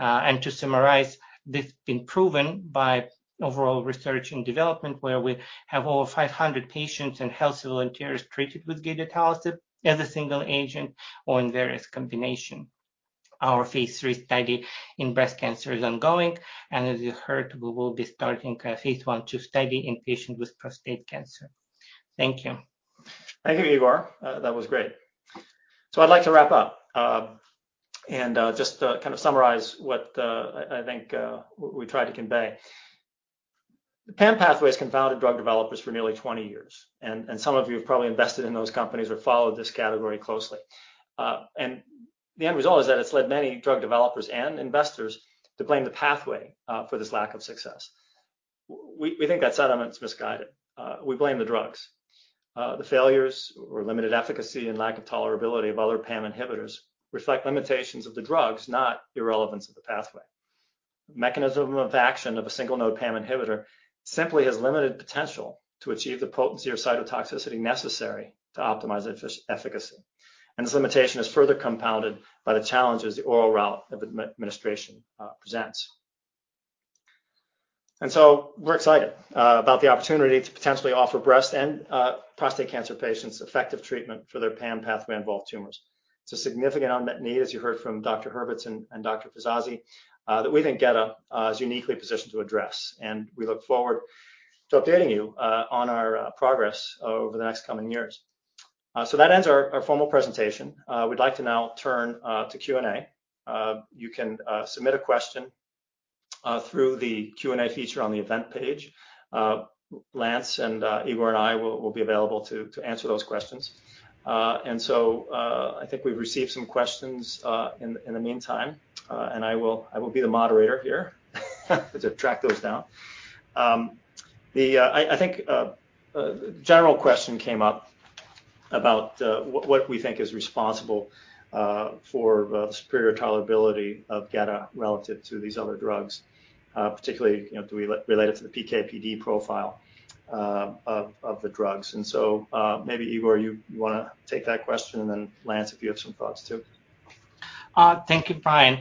To summarize, this been proven by overall research and development, where we have over 500 patients and healthy volunteers treated with gedatolisib as a single agent or in various combination. Our phase III study in breast cancer is ongoing, and as you heard, we will be starting a phase I/II study in patients with prostate cancer. Thank you. Thank you, Igor. That was great. So I'd like to wrap up and just kind of summarize what I think we tried to convey. The PAM pathway has confounded drug developers for nearly 20 years, and some of you have probably invested in those companies or followed this category closely. And the end result is that it's led many drug developers and investors to blame the pathway for this lack of success. We think that sentiment's misguided. We blame the drugs. The failures or limited efficacy and lack of tolerability of other PAM inhibitors reflect limitations of the drugs, not irrelevance of the pathway. Mechanism of action of a single-node PAM inhibitor simply has limited potential to achieve the potency or cytotoxicity necessary to optimize efficacy, and this limitation is further compounded by the challenges the oral route of administration presents. We're excited about the opportunity to potentially offer breast and prostate cancer patients effective treatment for their PAM pathway-involved tumors. It's a significant unmet need, as you heard from Dr. Hurvitz and Dr. Fizazi, that we think Geda is uniquely positioned to address, and we look forward to updating you on our progress over the next coming years. That ends our formal presentation. We'd like to now turn to Q&A. You can submit a question through the Q&A feature on the event page. Lance and Igor and I will be available to answer those questions. And so I think we've received some questions in the meantime, and I will be the moderator here to track those down. The... I think a general question came up about what we think is responsible for the superior tolerability of Geda relative to these other drugs, particularly, you know, do we relate it to the PK/PD profile of the drugs. And so, maybe, Igor, you wanna take that question, and then, Lance, if you have some thoughts, too. Thank you, Brian.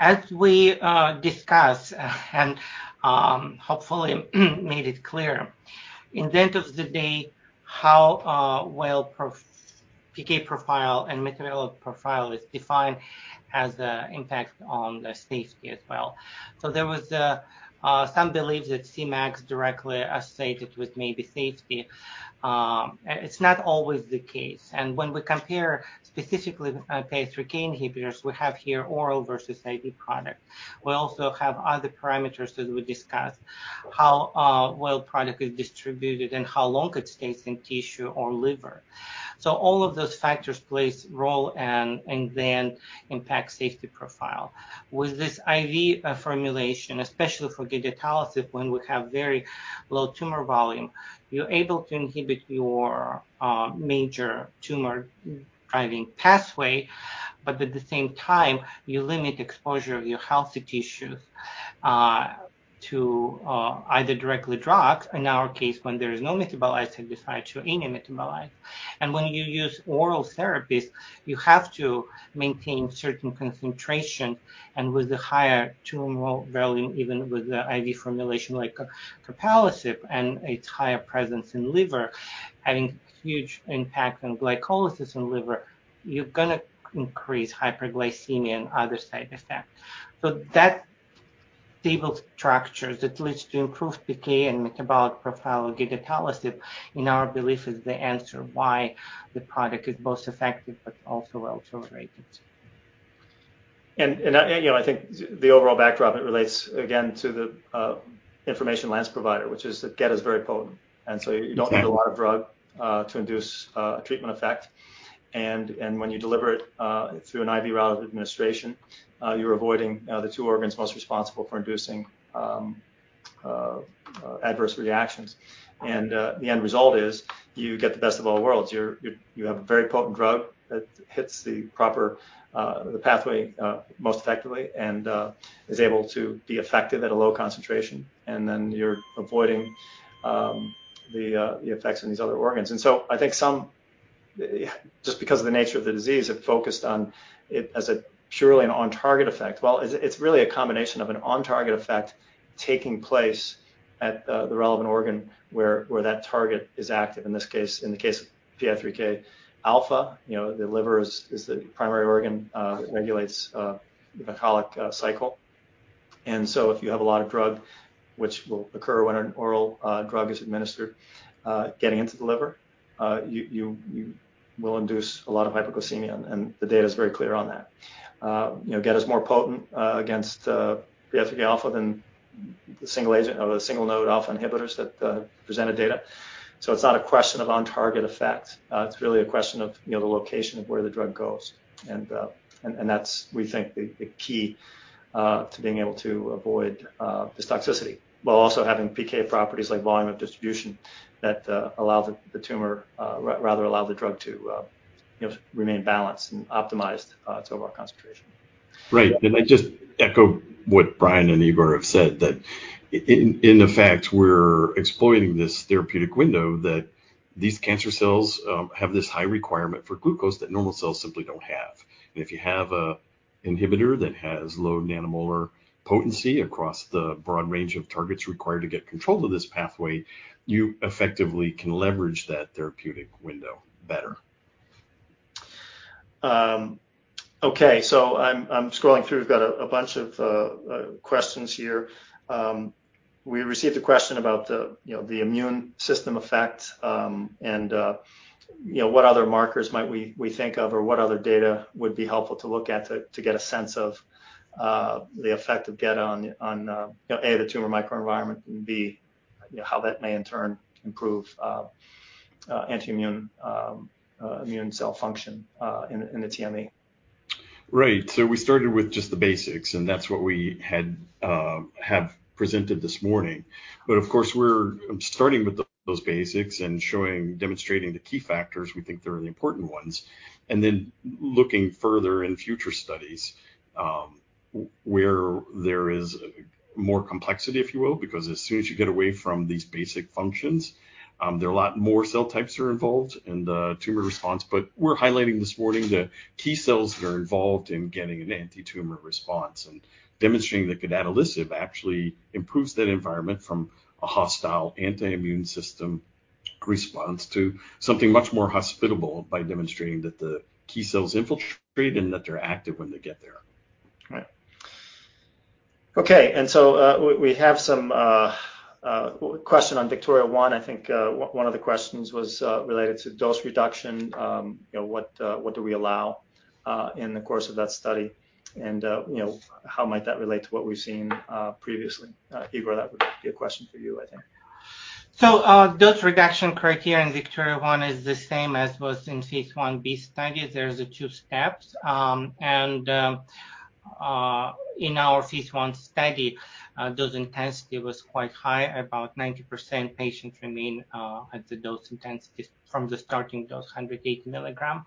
As we discussed and hopefully made it clear, at the end of the day, how PK profile and metabolic profile is defined as the impact on the safety as well. So there was some belief that Cmax directly associated with maybe safety. It's not always the case, and when we compare specifically PI3K inhibitors, we have here oral versus IV product. We also have other parameters that we discussed, how product is distributed and how long it stays in tissue or liver. So all of those factors plays role and then impact safety profile. With this IV formulation, especially for gedatolisib, when we have very low tumor volume, you're able to inhibit your major tumor-driving pathway, but at the same time, you limit exposure of your healthy tissues to either directly drugs, in our case, when there is no metabolites identified to any metabolite. And when you use oral therapies, you have to maintain certain concentration, and with the higher tumor volume, even with the IV formulation like capivasertib and its higher presence in liver, having huge impact on glycolysis in liver, you're gonna increase hyperglycemia and other side effects. So that stable structures that leads to improved PK and metabolic profile of gedatolisib, in our belief, is the answer why the product is both effective but also well tolerated. You know, I think the overall backdrop, it relates again to the information Lance provided, which is that Geda is very potent, and so you- Exactly. don't need a lot of drug to induce a treatment effect. And when you deliver it through an IV route of administration, you're avoiding the two organs most responsible for inducing adverse reactions. And the end result is you get the best of all worlds. You have a very potent drug that hits the proper pathway most effectively and is able to be effective at a low concentration, and then you're avoiding the effects in these other organs. And so I think some just because of the nature of the disease have focused on it as a purely an on-target effect. Well, it's really a combination of an on-target effect taking place at the relevant organ where that target is active. In this case, in the case of PI3K alpha, you know, the liver is, is the primary organ that regulates the glycolytic cycle. And if you have a lot of drug, which will occur when an oral drug is administered, getting into the liver, you will induce a lot of hypoglycemia, and the data is very clear on that. You know, Geda is more potent against PI3K alpha than the single agent or the single node alpha inhibitors that presented data. So it's not a question of on-target effect. It's really a question of, you know, the location of where the drug goes. And that's, we think, the key to being able to avoid this toxicity, while also having PK properties like volume of distribution that allow the tumor, rather allow the drug to, you know, remain balanced and optimized to our concentration. Right. And I just echo what Brian and Igor have said, that in fact we're exploiting this therapeutic window, that these cancer cells have this high requirement for glucose that normal cells simply don't have. And if you have an inhibitor that has low nanomolar potency across the broad range of targets required to get control of this pathway, you effectively can leverage that therapeutic window better. Okay, I'm scrolling through. We've got a bunch of questions here. We received a question about the, you know, the immune system effect, and, you know, what other markers might we think of, or what other data would be helpful to look at to get a sense of the effect of get on, on, you know, A, the tumor microenvironment, and B, you know, how that may in turn improve, uh, anti-immune, you know, immune cell function, in the TME. Right. We started with just the basics, and that's what we had, have presented this morning. Of course, we're starting with those basics and demonstrating the key factors we think are the important ones, then looking further in future studies where there is more complexity, if you will, because as soon as you get away from these basic functions, there are a lot more cell types involved in the tumor response. We're highlighting this morning the key cells that are involved in getting an anti-tumor response and demonstrating that gedatolisib actually improves that environment from a hostile anti-immune system response to something much more hospitable by demonstrating that the key cells infiltrate and that they're active when they get there. Right. Okay, and so, we have some question on VIKTORIA-1. I think, one of the questions was related to dose reduction. You know, what do we allow in the course of that study? And, you know, how might that relate to what we've seen previously? Igor, that would be a question for you, I think. So, dose reduction criteria in VIKTORIA-1 is the same as was in phase I-B study. There's the two steps. In our phase I study, dose intensity was quite high. About 90% patients remain at the dose intensity from the starting dose, 180 milligram.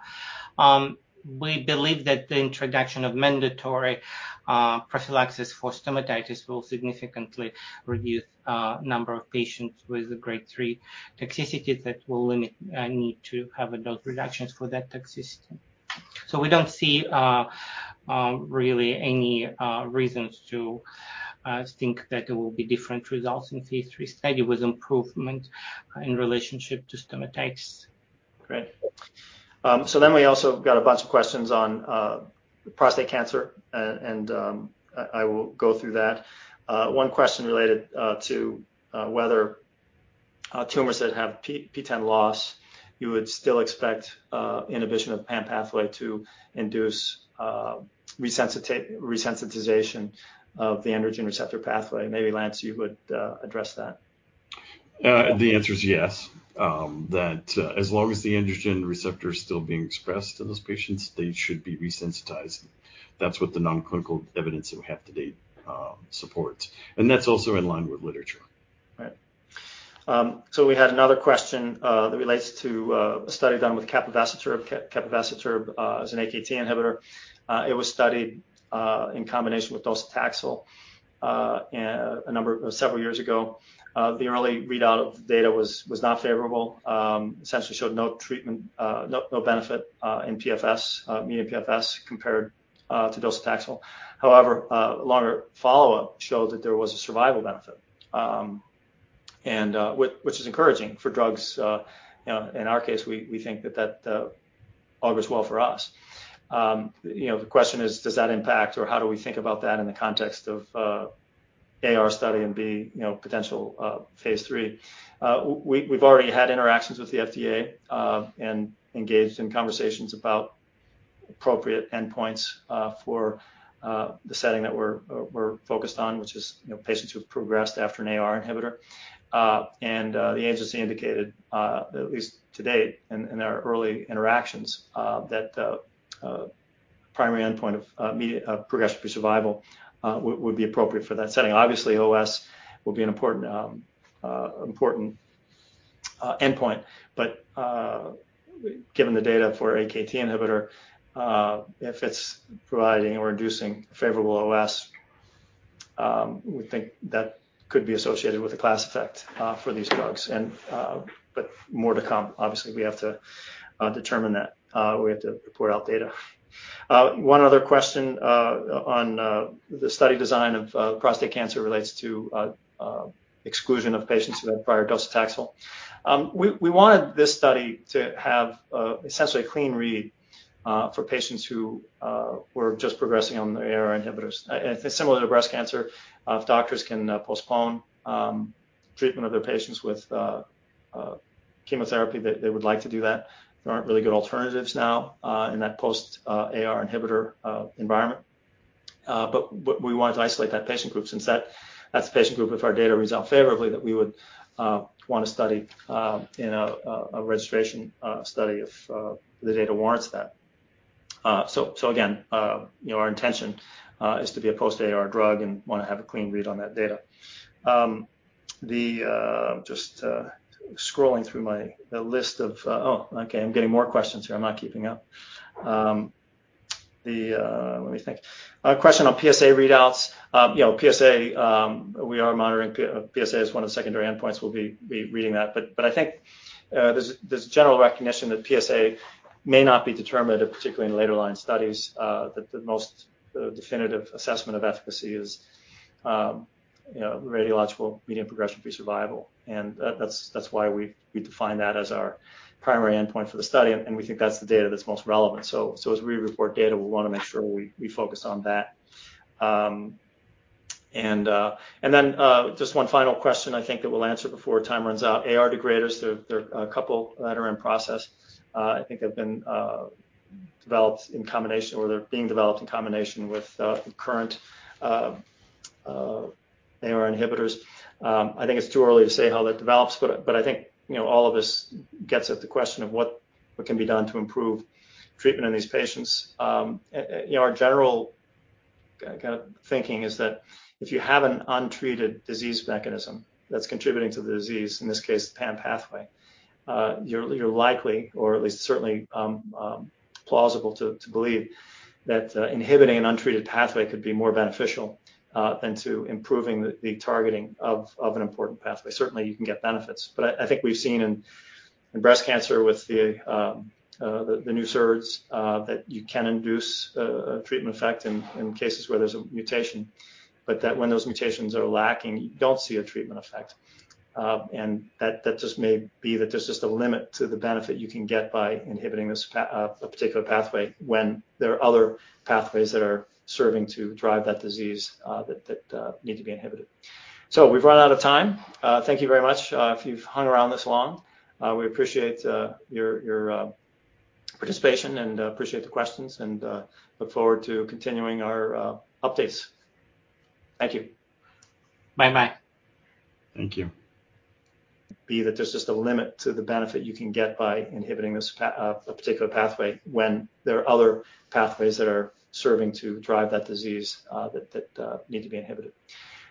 We believe that the introduction of mandatory prophylaxis for stomatitis will significantly reduce number of patients with a Grade 3 toxicity that will limit need to have a dose reductions for that toxicity. So we don't see really any reasons to think that there will be different results in phase III study with improvement in relationship to stomatitis. Great. So then we also got a bunch of questions on prostate cancer, and, and, I will go through that. One question related to whether tumors that have PTEN loss, you would still expect inhibition of PAM pathway to induce resensiti- resensitization of the androgen receptor pathway. Maybe, Lance, you would address that. The answer is yes. That, as long as the androgen receptor is still being expressed in those patients, they should be resensitized. That's what the non-clinical evidence that we have to date supports, and that's also in line with literature. Right. We had another question that relates to a study done with capivasertib. Capivasertib is an AKT inhibitor. It was studied in combination with docetaxel several years ago. The early readout of the data was not favorable. Essentially, showed no treatment, no benefit in PFS, median PFS, compared to docetaxel. However, a longer follow-up showed that there was a survival benefit, which is encouraging for drugs, you know, in our case, we think that that augurs well for us. You know, the question is, does that impact, or how do we think about that in the context of AR study and B, you know, potential phase three? We've already had interactions with the FDA and engaged in conversations about appropriate endpoints for the setting that we're focused on, which is, you know, patients who've progressed after an AR inhibitor. The agency indicated, at least to date in our early interactions, that the primary endpoint of median progression-free survival would be appropriate for that setting. Obviously, OS will be an important endpoint, but given the data for AKT inhibitor, if it's providing or reducing favorable OS, we think that could be associated with a class effect for these drugs. But more to come. Obviously, we have to determine that. We have to report out data. One other question on the study design of prostate cancer relates to exclusion of patients who had prior docetaxel. We wanted this study to have essentially a clean read for patients who were just progressing on their AR inhibitors. And it's similar to breast cancer. If doctors can postpone treatment of their patients with chemotherapy, they would like to do that. There aren't really good alternatives now in that post-AR inhibitor environment. But we wanted to isolate that patient group since that's the patient group, if our data result favorably, that we would want to study in a registration study, if the data warrants that. So again, you know, our intention is to be a post-AR drug and wanna have a clean read on that data. The, just scrolling through my, the list of-- Oh, okay, I'm getting more questions here. I'm not keeping up. The, let me think. A question on PSA readouts. You know, PSA, we are monitoring. PSA is one of the secondary endpoints. We'll be reading that. I think there's general recognition that PSA may not be determinative, particularly in later-line studies, that the most definitive assessment of efficacy is, you know, radiological median progression-free survival. That's why we define that as our primary endpoint for the study, and we think that's the data that's most relevant. As we report data, we wanna make sure we focus on that. And then, just one final question I think that we'll answer before time runs out. AR degraders, there are a couple that are in process. I think have been developed in combination, or they're being developed in combination with the current AR inhibitors. I think it's too early to say how that develops, but I think, you know, all of this gets at the question of what can be done to improve treatment in these patients. You know, our general kind of thinking is that if you have an untreated disease mechanism that's contributing to the disease, in this case, the PAM pathway, you're likely, or at least certainly plausible to believe that inhibiting an untreated pathway could be more beneficial than improving the targeting of an important pathway. Certainly, you can get benefits, but I think we've seen in breast cancer with the new SERDs that you can induce a treatment effect in cases where there's a mutation, but that when those mutations are lacking, you don't see a treatment effect. And that just may be that there's just a limit to the benefit you can get by inhibiting this a particular pathway when there are other pathways that are serving to drive that disease, that need to be inhibited. So we've run out of time. Thank you very much. If you've hung around this long, we appreciate your participation and appreciate the questions and look forward to continuing our updates. Thank you. Bye-bye. Thank you. But that there's just a limit to the benefit you can get by inhibiting this, a particular pathway when there are other pathways that are serving to drive that disease, that need to be inhibited.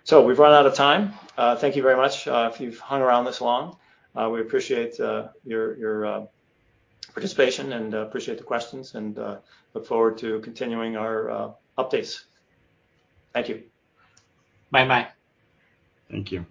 So we've run out of time. Thank you very much. If you've hung around this long, we appreciate your participation and appreciate the questions and look forward to continuing our updates. Thank you. Bye-bye. Thank you.